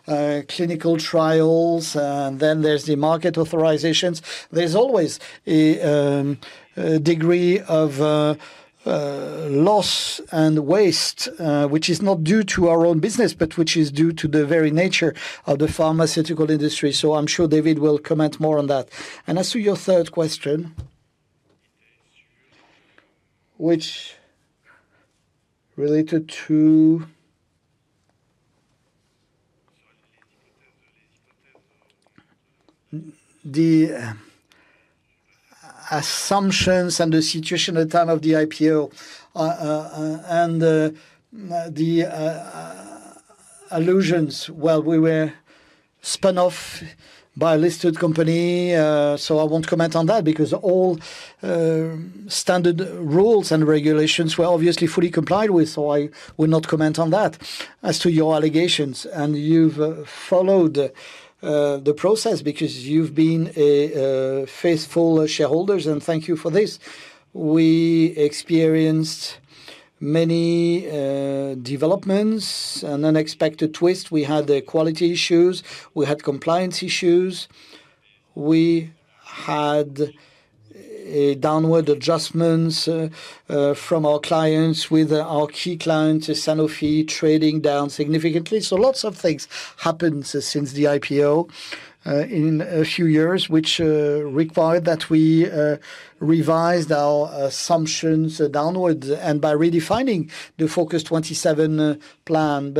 clinical trials. There's the market authorizations. There's always a degree of loss and waste, which is not due to our own business, but which is due to the very nature of the pharmaceutical industry. I'm sure David will comment more on that. As to your third question, which related to the assumptions and the situation at the time of the IPO, and the allusions. Well, we were spun off by a listed company. I won't comment on that because all standard rules and regulations were obviously fully complied with. I will not comment on that. As to your allegations, you've followed the process because you've been a faithful shareholder, thank you for this. We experienced many developments and unexpected twists. We had quality issues, we had compliance issues. We had downward adjustments from our clients with our key client, Sanofi, trading down significantly. Lots of things happened since the IPO in a few years, which required that we revised our assumptions downward and by redefining the FOCUS-27 plan.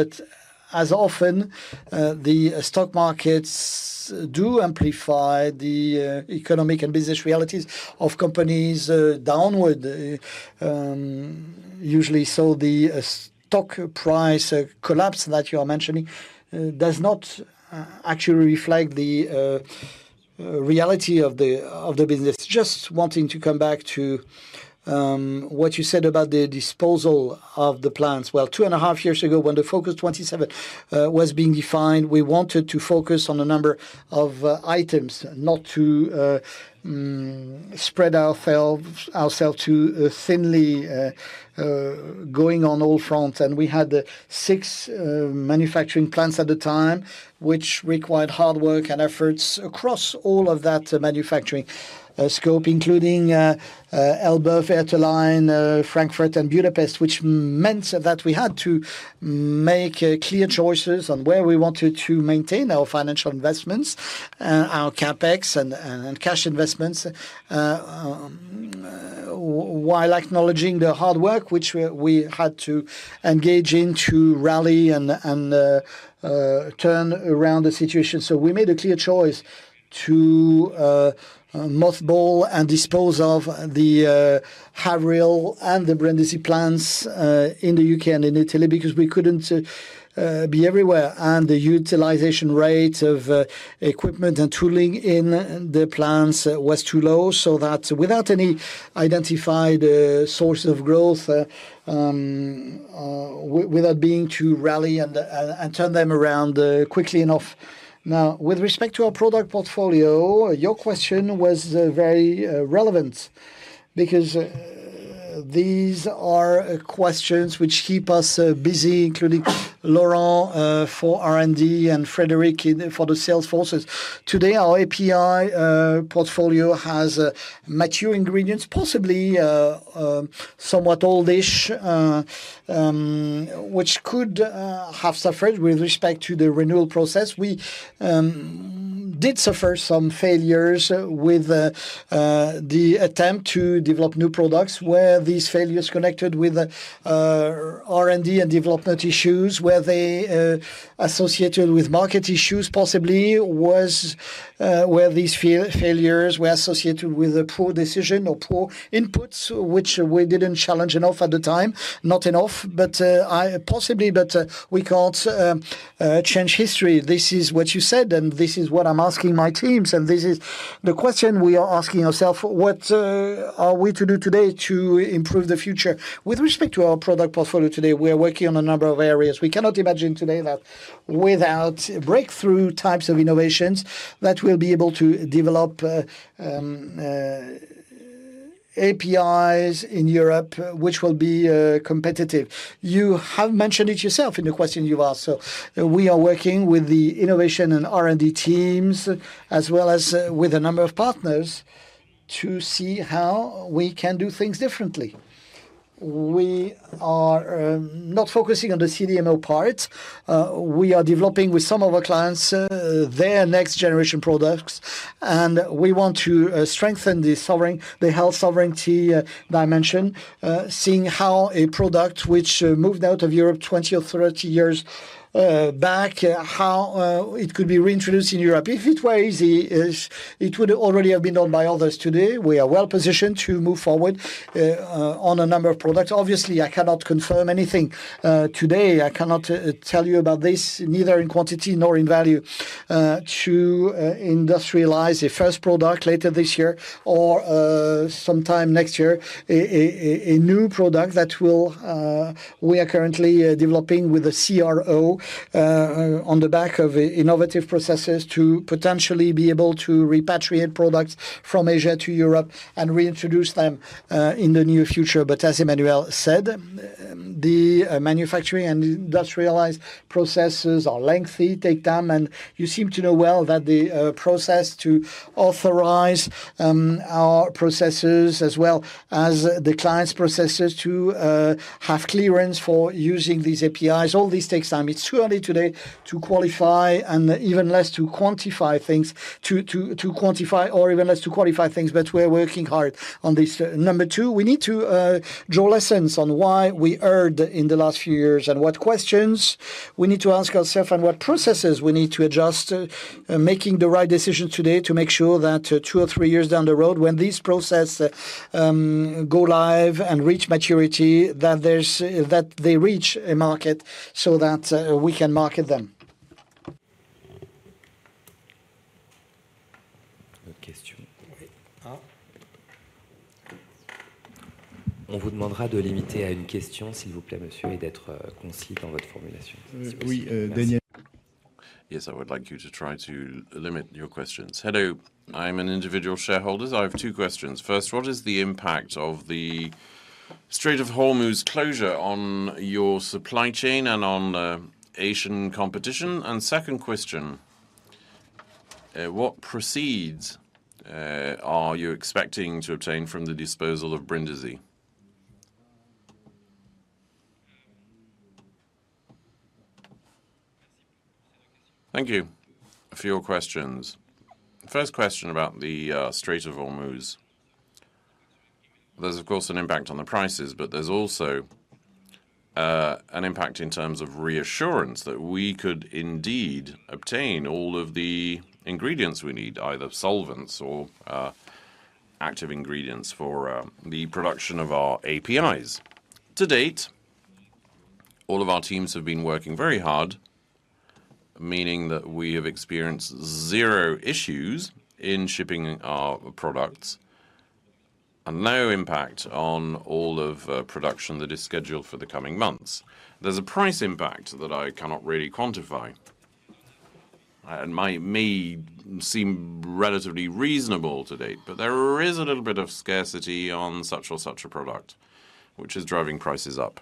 As often, the stock markets do amplify the economic and business realities of companies downward. Usually, the stock price collapse that you're mentioning does not actually reflect the reality of the business. Just wanting to come back to what you said about the disposal of the plants. Well, 2.5 years ago, when the FOCUS-27 was being defined, we wanted to focus on a number of items, not to spread ourselves too thinly, going on all fronts. We had six manufacturing plants at the time, which required hard work and efforts across all of that manufacturing scope, including Elbeuf, Vertolaye, Frankfurt, and Budapest, which meant that we had to make clear choices on where we wanted to maintain our financial investments, our CapEx, and cash investments, while acknowledging the hard work which we had to engage in to rally and turn around the situation. We made a clear choice to mothball and dispose of the Haverhill and the Brindisi plants in the U.K. and in Italy because we couldn't be everywhere. The utilization rate of equipment and tooling in the plants was too low, so that without any identified source of growth, without being to rally and turn them around quickly enough. Now, with respect to our product portfolio, your question was very relevant because these are questions which keep us busy, including Laurent for R&D and Frederick for the sales forces. Today, our API portfolio has mature ingredients, possibly somewhat oldish, which could have suffered with respect to the renewal process. We did suffer some failures with the attempt to develop new products. Were these failures connected with R&D and development issues? Were they associated with market issues possibly? Were these failures associated with a poor decision or poor inputs, which we didn't challenge enough at the time? Not enough, but possibly, but we can't change history. This is what you said, and this is what I'm asking my teams, and this is the question we are asking ourselves. What are we to do today to improve the future? With respect to our product portfolio today, we are working on a number of areas. We cannot imagine today that without breakthrough types of innovations that we'll be able to develop APIs in Europe which will be competitive. You have mentioned it yourself in the question you asked. We are working with the innovation and R&D teams, as well as with a number of partners to see how we can do things differently. We are not focusing on the CDMO part. We are developing with some of our clients their next generation products, and we want to strengthen the health sovereignty dimension, seeing how a product which moved out of Europe 20 or 30 years back, how it could be reintroduced in Europe. If it were easy, it would already have been done by others. Today, we are well positioned to move forward on a number of products. Obviously, I cannot confirm anything today. I cannot tell you about this, neither in quantity nor in value, to industrialize a first product later this year or sometime next year. A new product that we are currently developing with a CRO on the back of innovative processes to potentially be able to repatriate products from Asia to Europe and reintroduce them in the near future. As Emmanuel said, the manufacturing and industrialized processes are lengthy, take time, and you seem to know well that the process to authorize our processes as well as the client's processes to have clearance for using these APIs, all this takes time. It's too early today to qualify and even less to quantify things, but we're working hard on this. Number two, we need to draw lessons on what we heard in the last few years and what questions we need to ask ourselves and what processes we need to adjust, making the right decisions today to make sure that two or three years down the road, when these processes go live and reach maturity, that they reach a market so that we can market them. Question. Yes, I would like you to try to limit your questions. Hello, I'm an individual shareholder. I have two questions. First, what is the impact of the Strait of Hormuz closure on your supply chain and on Asian competition? Second question, what proceeds are you expecting to obtain from the disposal of Brindisi? Thank you for your questions. First question about the Strait of Hormuz. There's, of course, an impact on the prices, but there's also an impact in terms of reassurance that we could indeed obtain all of the ingredients we need, either solvents or active ingredients for the production of our APIs. To date, all of our teams have been working very hard, meaning that we have experienced zero issues in shipping our products and no impact on all of production that is scheduled for the coming months. There's a price impact that I cannot really quantify and may seem relatively reasonable to date, but there is a little bit of scarcity on such or such a product, which is driving prices up.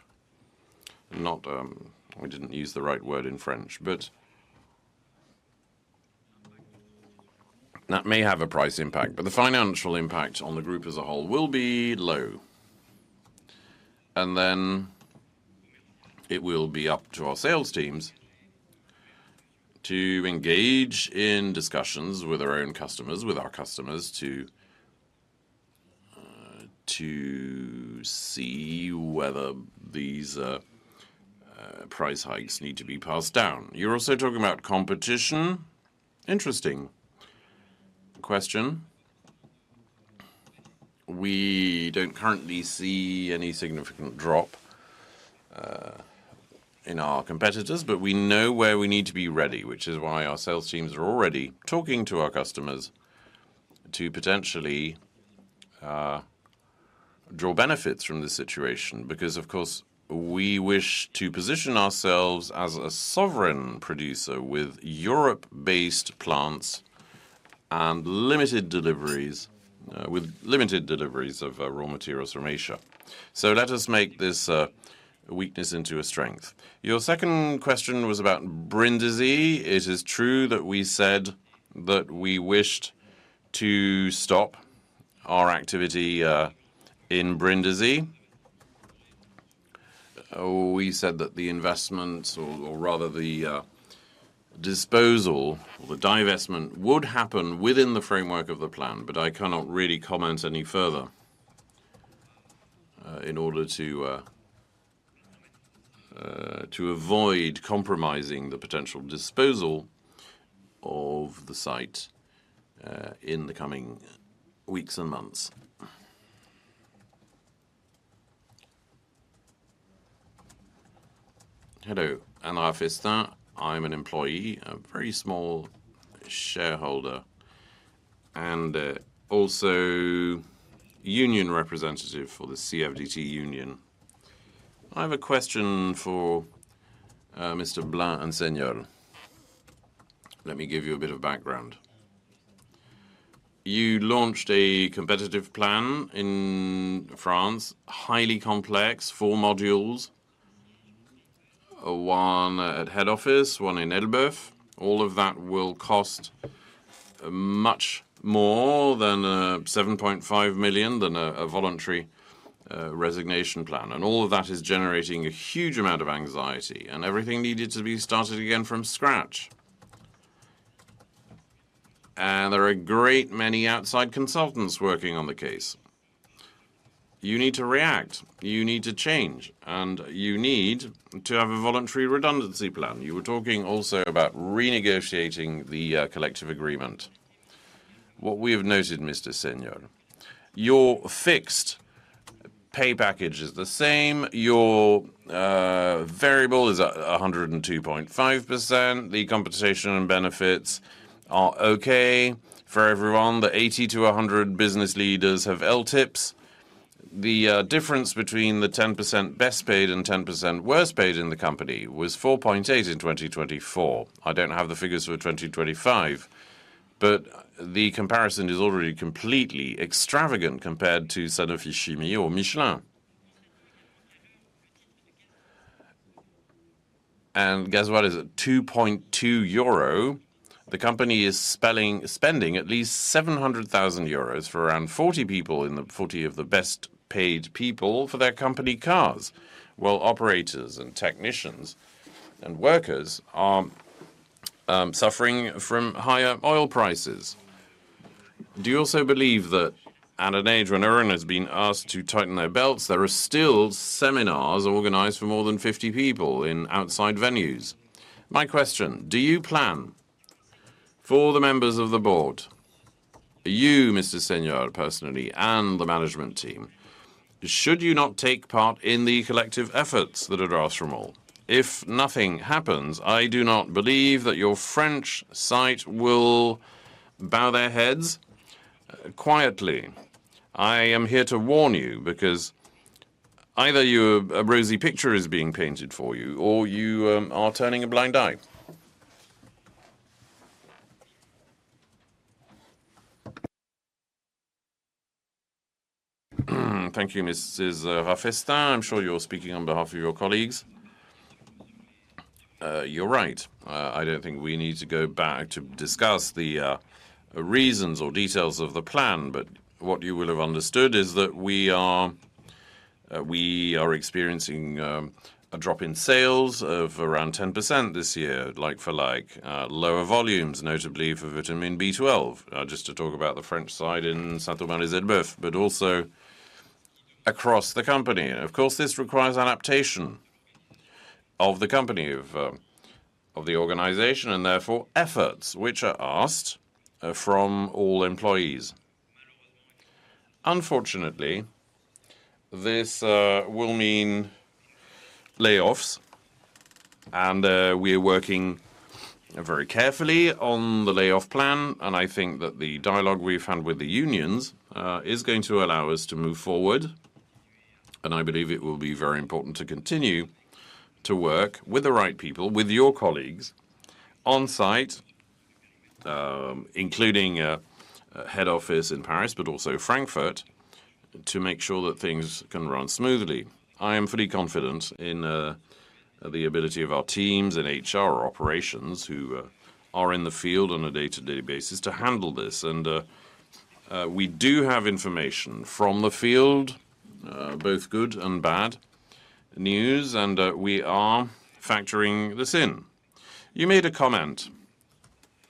We didn't use the right word in French, but that may have a price impact. The financial impact on the group as a whole will be low, and then it will be up to our sales teams to engage in discussions with our own customers, with our customers to see whether these price hikes need to be passed down. You're also talking about competition. Interesting question. We don't currently see any significant drop in our competitors, but we know where we need to be ready, which is why our sales teams are already talking to our customers to potentially draw benefits from this situation. Of course, we wish to position ourselves as a sovereign producer with Europe-based plants and limited deliveries of raw materials from Asia. Let us make this weakness into a strength. Your second question was about Brindisi. It is true that we said that we wished to stop our activity in Brindisi. We said that the investment or rather the disposal or the divestment would happen within the framework of the plan, I cannot really comment any further in order to avoid compromising the potential disposal of the site in the coming weeks and months. Hello, I'm Rafestin. I'm an employee, a very small shareholder, and also union representative for the CFDT Union. I have a question for Mr. Blin and Mr. Seignolle. Let me give you a bit of background. You launched a competitive plan in France, highly complex, four modules. One at head office, one in Elbeuf. All of that will cost much more than 7.5 million than a voluntary resignation plan. All of that is generating a huge amount of anxiety, everything needed to be started again from scratch. There are a great many outside consultants working on the case. You need to react, you need to change, you need to have a voluntary redundancy plan. You were talking also about renegotiating the collective agreement. What we have noted, Mr. Seignolle, your fixed pay package is the same. Your variable is 102.5%. The compensation and benefits are okay for everyone. The 80-100 business leaders have LTIPs. The difference between the 10% best paid and 10% worst paid in the company was 4.8% in 2024. I don't have the figures for 2025, the comparison is already completely extravagant compared to Sanofi Chimie, or Michelin. Guess what? At 2.2 euro, the company is spending at least 700,000 euros for around 40 of the best-paid people for their company cars, while operators and technicians and workers are suffering from higher oil prices. Do you also believe that at an age when everyone has been asked to tighten their belts, there are still seminars organized for more than 50 people in outside venues? My question, do you plan for the members of the board, you, Mr. Seignolle, personally, and the management team, should you not take part in the collective efforts that are asked from all? If nothing happens, I do not believe that your French site will bow their heads quietly. I am here to warn you because either a rosy picture is being painted for you, or you are turning a blind eye. Thank you, Mrs. Rafestin. I'm sure you're speaking on behalf of your colleagues. You're right. I don't think we need to go back to discuss the reasons or details of the plan. What you will have understood is that we are experiencing a drop in sales of around 10% this year, like for like. Lower volumes, notably for vitamin B12. Just to talk about the French side in Saint-Aubin-lès-Elbeuf, is Elbeuf, also across the company. Of course, this requires adaptation of the company, of the organization, therefore efforts which are asked from all employees. Unfortunately, this will mean layoffs, we are working very carefully on the layoff plan, I think that the dialogue we've had with the unions is going to allow us to move forward. I believe it will be very important to continue to work with the right people, with your colleagues on-site, including head office in Paris, but also Frankfurt, to make sure that things can run smoothly. I am fully confident in the ability of our teams and HR operations who are in the field on a day-to-day basis to handle this. We do have information from the field, both good and bad news, and we are factoring this in. You made a comment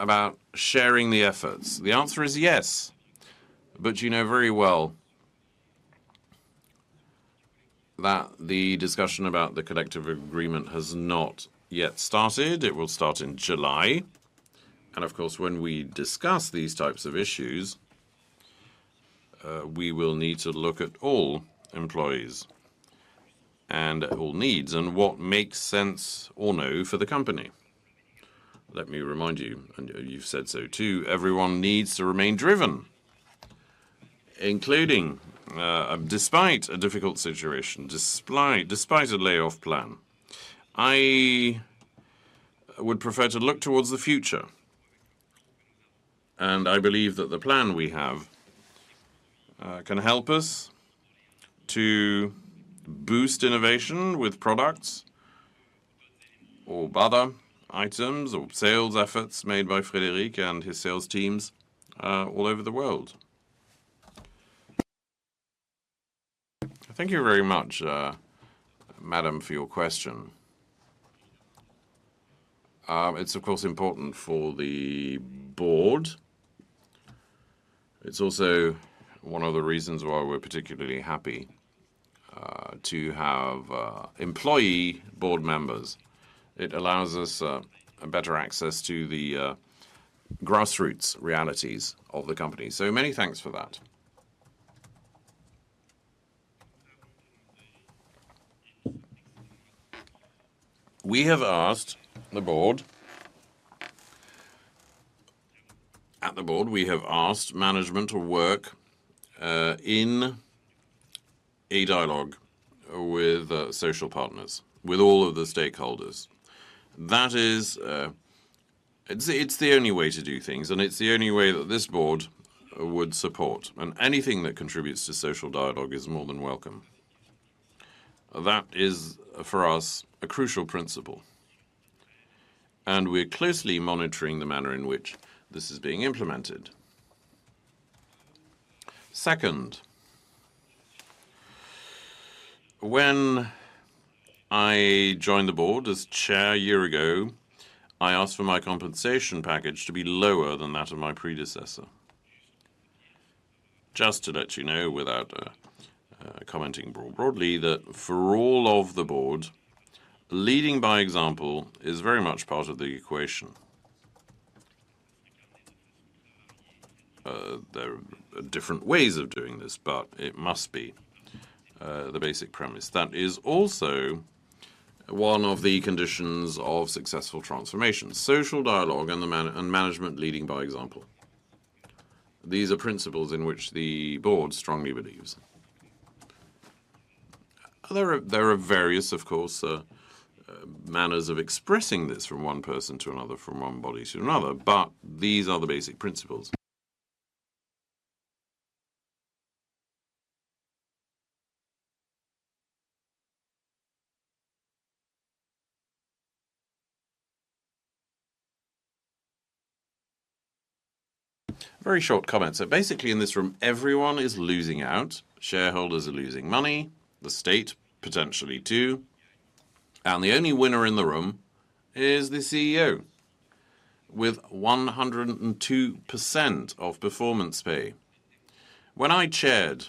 about sharing the efforts. The answer is yes, you know very well that the discussion about the collective agreement has not yet started. It will start in July. Of course, when we discuss these types of issues, we will need to look at all employees and all needs, and what makes sense or no for the company. Let me remind you've said so too, everyone needs to remain driven, including despite a difficult situation, despite a layoff plan. I would prefer to look towards the future, and I believe that the plan we have can help us to boost innovation with products or other items or sales efforts made by Frédéric and his sales teams all over the world. Thank you very much, Madam, for your question. It's of course important for the board. It's also one of the reasons why we're particularly happy to have employee board members. It allows us better access to the grassroots realities of the company. Many thanks for that. We have asked at the board, we have asked management to work in a dialogue with social partners, with all of the stakeholders. It's the only way to do things, and it's the only way that this board would support. Anything that contributes to social dialogue is more than welcome. That is, for us, a crucial principle, and we're closely monitoring the manner in which this is being implemented. Second, when I joined the board as chair a year ago, I asked for my compensation package to be lower than that of my predecessor. Just to let you know, without commenting more broadly, that for all of the board, leading by example is very much part of the equation. There are different ways of doing this, but it must be the basic premise. That is also one of the conditions of successful transformation, social dialogue, and management leading by example. These are principles in which the board strongly believes. There are various, of course, manners of expressing this from one person to another, from one body to another, but these are the basic principles. Very short comment. Basically, in this room, everyone is losing out. Shareholders are losing money, the state potentially too, and the only winner in the room is the CEO with 102% of performance pay. When I chaired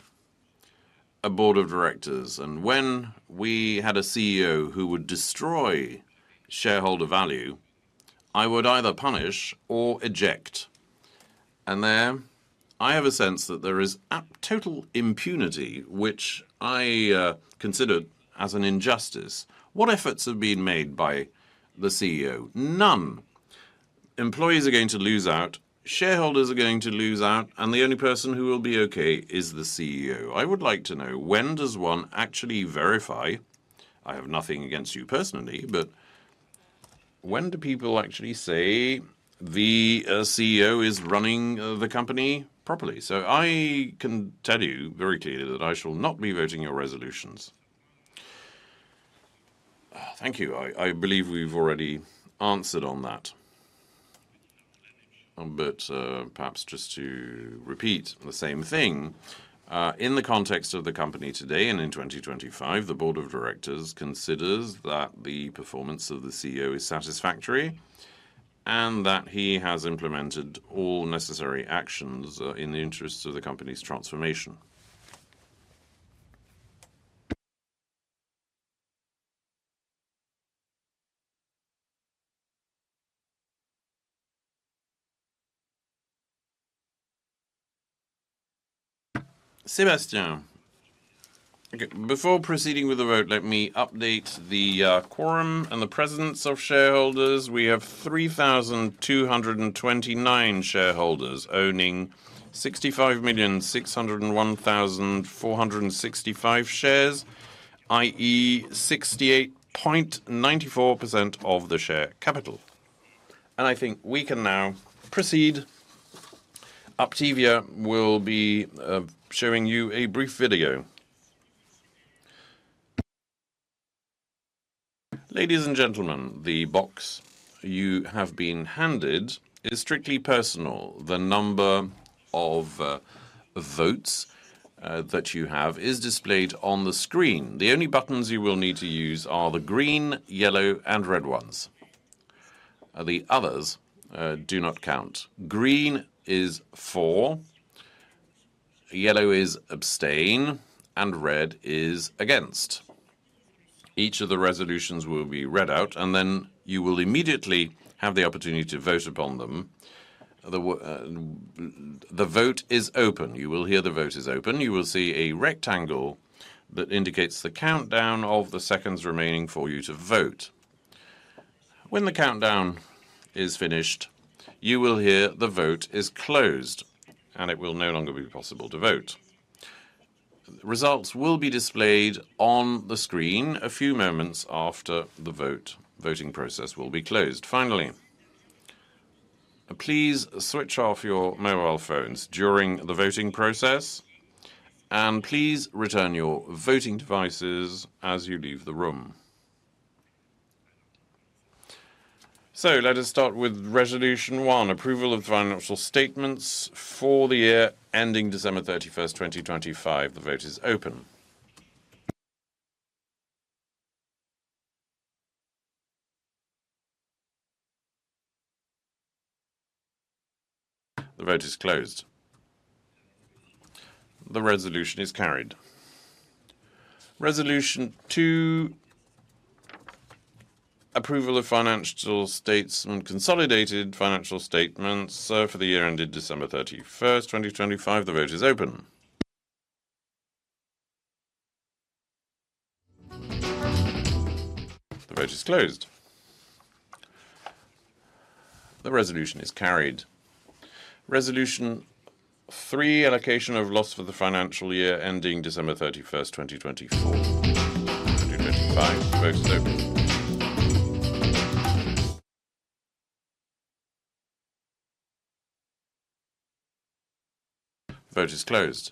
a board of directors, and when we had a CEO who would destroy shareholder value, I would either punish or eject. There, I have a sense that there is total impunity, which I consider as an injustice. What efforts have been made by the CEO? None. Employees are going to lose out, shareholders are going to lose out, and the only person who will be okay is the CEO. I would like to know, when does one actually say the CEO is running the company properly? I can tell you very clearly that I shall not be voting your resolutions. Thank you. I believe we've already answered on that. Perhaps just to repeat the same thing. In the context of the company today and in 2025, the board of directors considers that the performance of the CEO is satisfactory and that he has implemented all necessary actions in the interest of the company's transformation. Sébastien. Okay, before proceeding with the vote, let me update the quorum and the presence of shareholders. We have 3,229 shareholders owning 65,601,465 shares, i.e., 68.94% of the share capital. I think we can now proceed. Optivia will be showing you a brief video. Ladies and gentlemen, the box you have been handed is strictly personal. The number of votes that you have is displayed on the screen. The only buttons you will need to use are the green, yellow, and red ones. The others do not count. Green is for, yellow is abstain, and red is against. Each of the resolutions will be read out, and then you will immediately have the opportunity to vote upon them. The vote is open. You will hear the vote is open. You will see a rectangle that indicates the countdown of the seconds remaining for you to vote. When the countdown is finished, you will hear the vote is closed, and it will no longer be possible to vote. Results will be displayed on the screen a few moments after the voting process will be closed. Finally, please switch off your mobile phones during the voting process, and please return your voting devices as you leave the room. Let us start with Resolution 1, approval of financial statements for the year ending December 31st, 2025. The vote is open. The vote is closed. The resolution is carried. Resolution 2, approval of financial statements and consolidated financial statements for the year ended December 31st, 2025. The vote is open. The vote is closed. The resolution is carried. Resolution 3, allocation of loss for the financial year ending December 31, 2024, 2025. The vote is open. The vote is closed.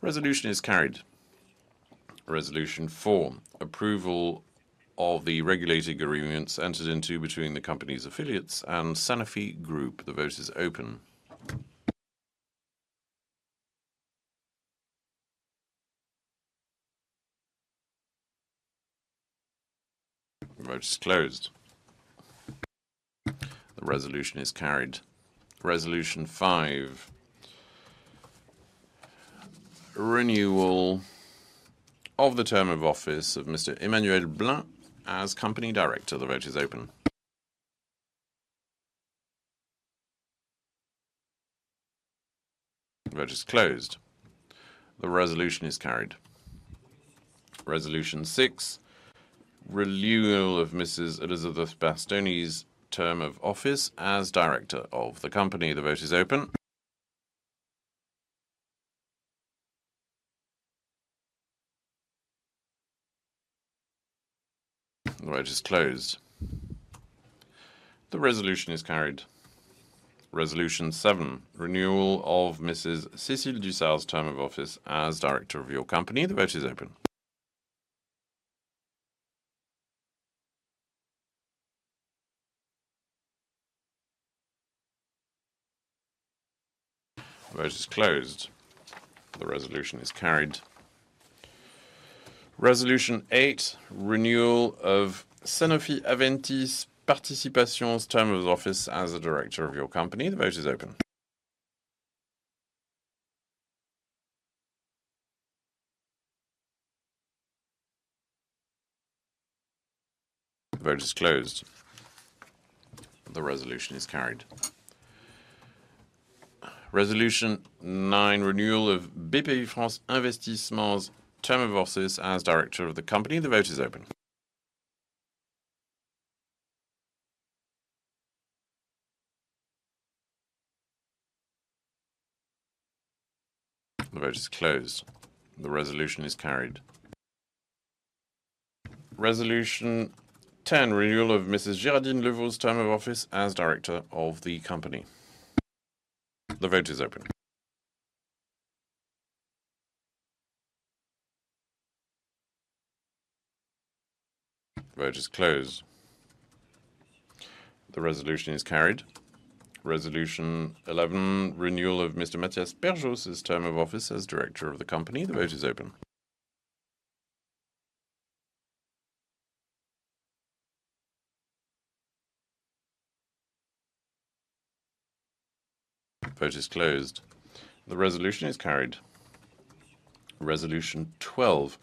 Resolution is carried. Resolution 4, approval of the regulating agreements entered into between the company's affiliates and Sanofi Group. The vote is open. The vote is closed. The resolution is carried. Resolution 5, renewal of the term of office of Mr. Emmanuel Blin as company director. The vote is open. The vote is closed. The resolution is carried. Resolution 6, renewal of Mrs. Elizabeth Bastoni's term of office as director of the company. The vote is open. The vote is closed. The resolution is carried. Resolution 7, renewal of Mrs. Cécile Dussart's term of office as director of your company. The vote is open. The vote is closed. The resolution is carried. Resolution 8, renewal of Sanofi Aventis Participations' term of office as a director of your company. The vote is open. The vote is closed. The resolution is carried. Resolution 9, renewal of Bpifrance Investissement's term of office as director of the company. The vote is open. The vote is closed. The resolution is carried. Resolution 10, renewal of Mrs. Géraldine Leveau's term of office as director of the company. The vote is open. The vote is closed. The resolution is carried. Resolution 11, renewal of Mr. Mattias Perjos's term of office as director of the company. The vote is open. The vote is closed. The resolution is carried. Resolution 12,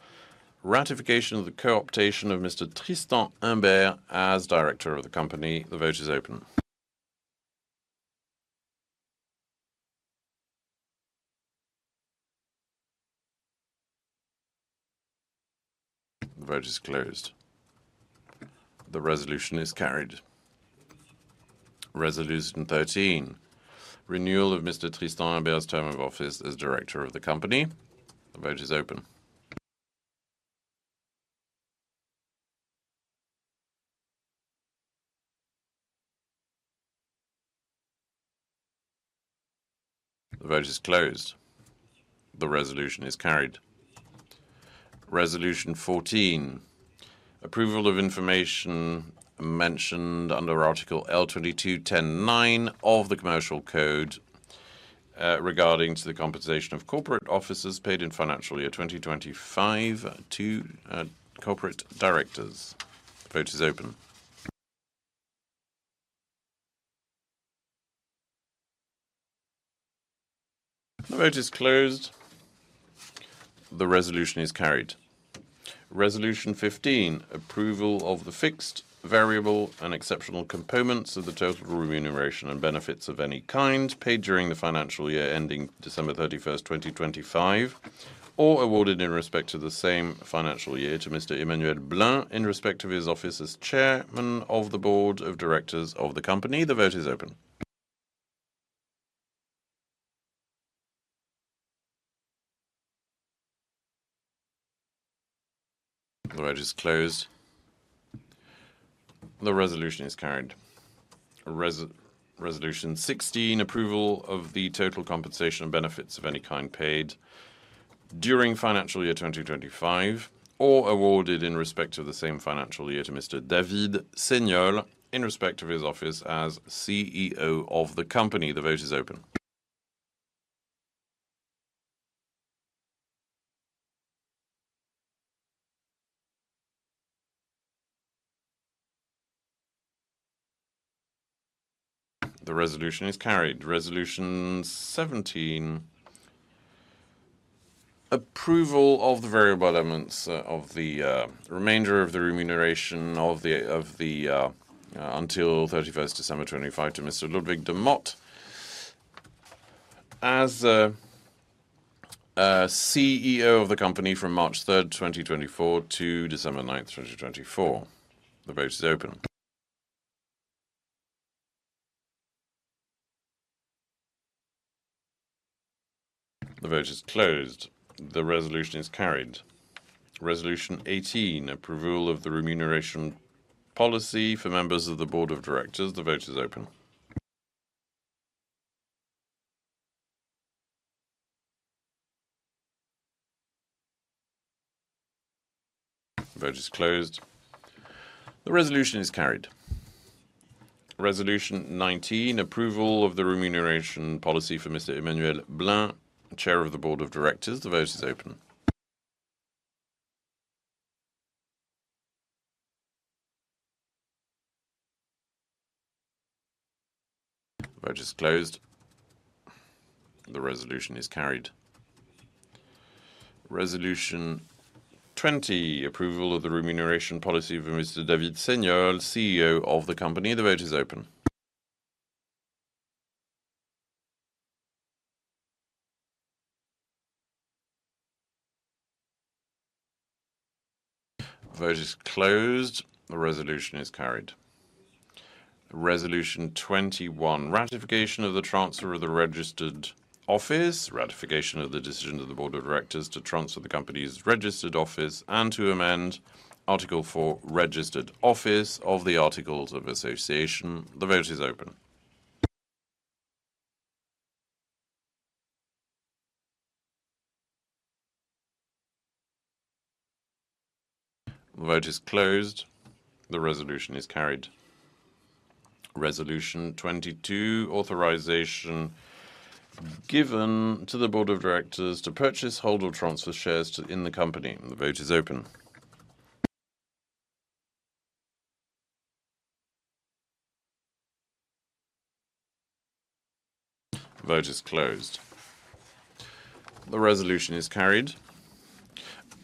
ratification of the co-optation of Mr. Tristan Imbert as director of the company. The vote is open. The vote is closed. The resolution is carried. Resolution 13, renewal of Mr. Tristan Imbert's term of office as director of the company. The vote is open. The vote is closed. The resolution is carried. Resolution 14, approval of information mentioned under Article L. 22-10-9 of the Commercial Code regarding to the compensation of corporate officers paid in financial year 2025 to corporate directors. The vote is open. The vote is closed. The resolution is carried. Resolution 15, approval of the fixed variable and exceptional components of the total remuneration and benefits of any kind paid during the financial year ending December 31st, 2025, or awarded in respect to the same financial year to Mr. Emmanuel Blin in respect of his office as Chairman of the Board of Directors of the company. The vote is open. The vote is closed. The resolution is carried. Resolution 16, approval of the total compensation and benefits of any kind paid during financial year 2025 or awarded in respect to the same financial year to Mr. David Seignolle in respect of his office as CEO of the company. The vote is open. The resolution is carried. Resolution 17, approval of the variable elements of the remainder of the remuneration until December 31st, 2025 to Mr. Ludwig de Mot as CEO of the company from March 3rd, 2024-December 9th, 2024. The vote is open. The vote is closed. The resolution is carried. Resolution 18, approval of the remuneration policy for members of the board of directors. The vote is open. The vote is closed. The resolution is carried. Resolution 19, approval of the remuneration policy for Mr. Emmanuel Blin, Chair of the Board of Directors. The vote is open. The vote is closed. The resolution is carried. Resolution 20, approval of the remuneration policy for Mr. David Seignolle, CEO of the company. The vote is open. The vote is closed. The resolution is carried. Resolution 21, ratification of the transfer of the registered office. Ratification of the decision of the board of directors to transfer the company's registered office and to amend Article 4, Registered Office of the Articles of Association. The vote is open. The vote is closed. The resolution is carried. Resolution 22, authorization given to the board of directors to purchase, hold, or transfer shares in the company. The vote is open. The vote is closed. The resolution is carried.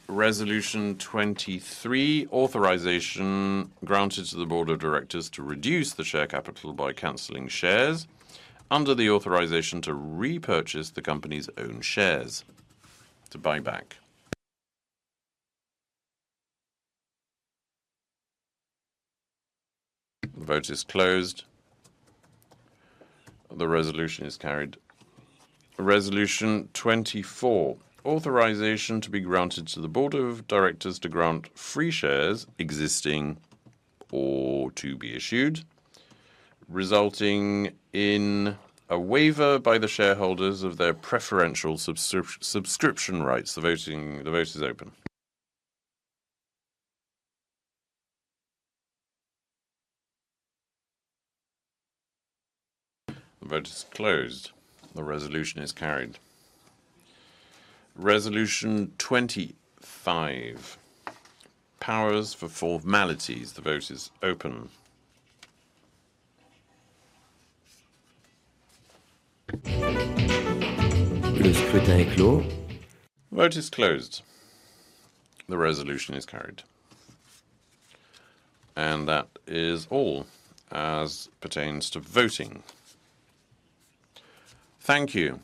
Resolution 23, authorization granted to the board of directors to reduce the share capital by canceling shares under the authorization to repurchase the company's own shares, to buyback. The vote is closed. The resolution is carried. Resolution 24, authorization to be granted to the board of directors to grant free shares, existing or to be issued, resulting in a waiver by the shareholders of their preferential subscription rights. The vote is open. The vote is closed. The resolution is carried. Resolution 25, powers for formalities. The vote is open. The vote is closed. The resolution is carried. That is all as pertains to voting. Thank you.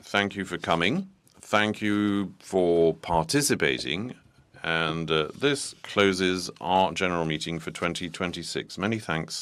Thank you for coming. Thank you for participating. This closes our general meeting for 2026. Many thanks.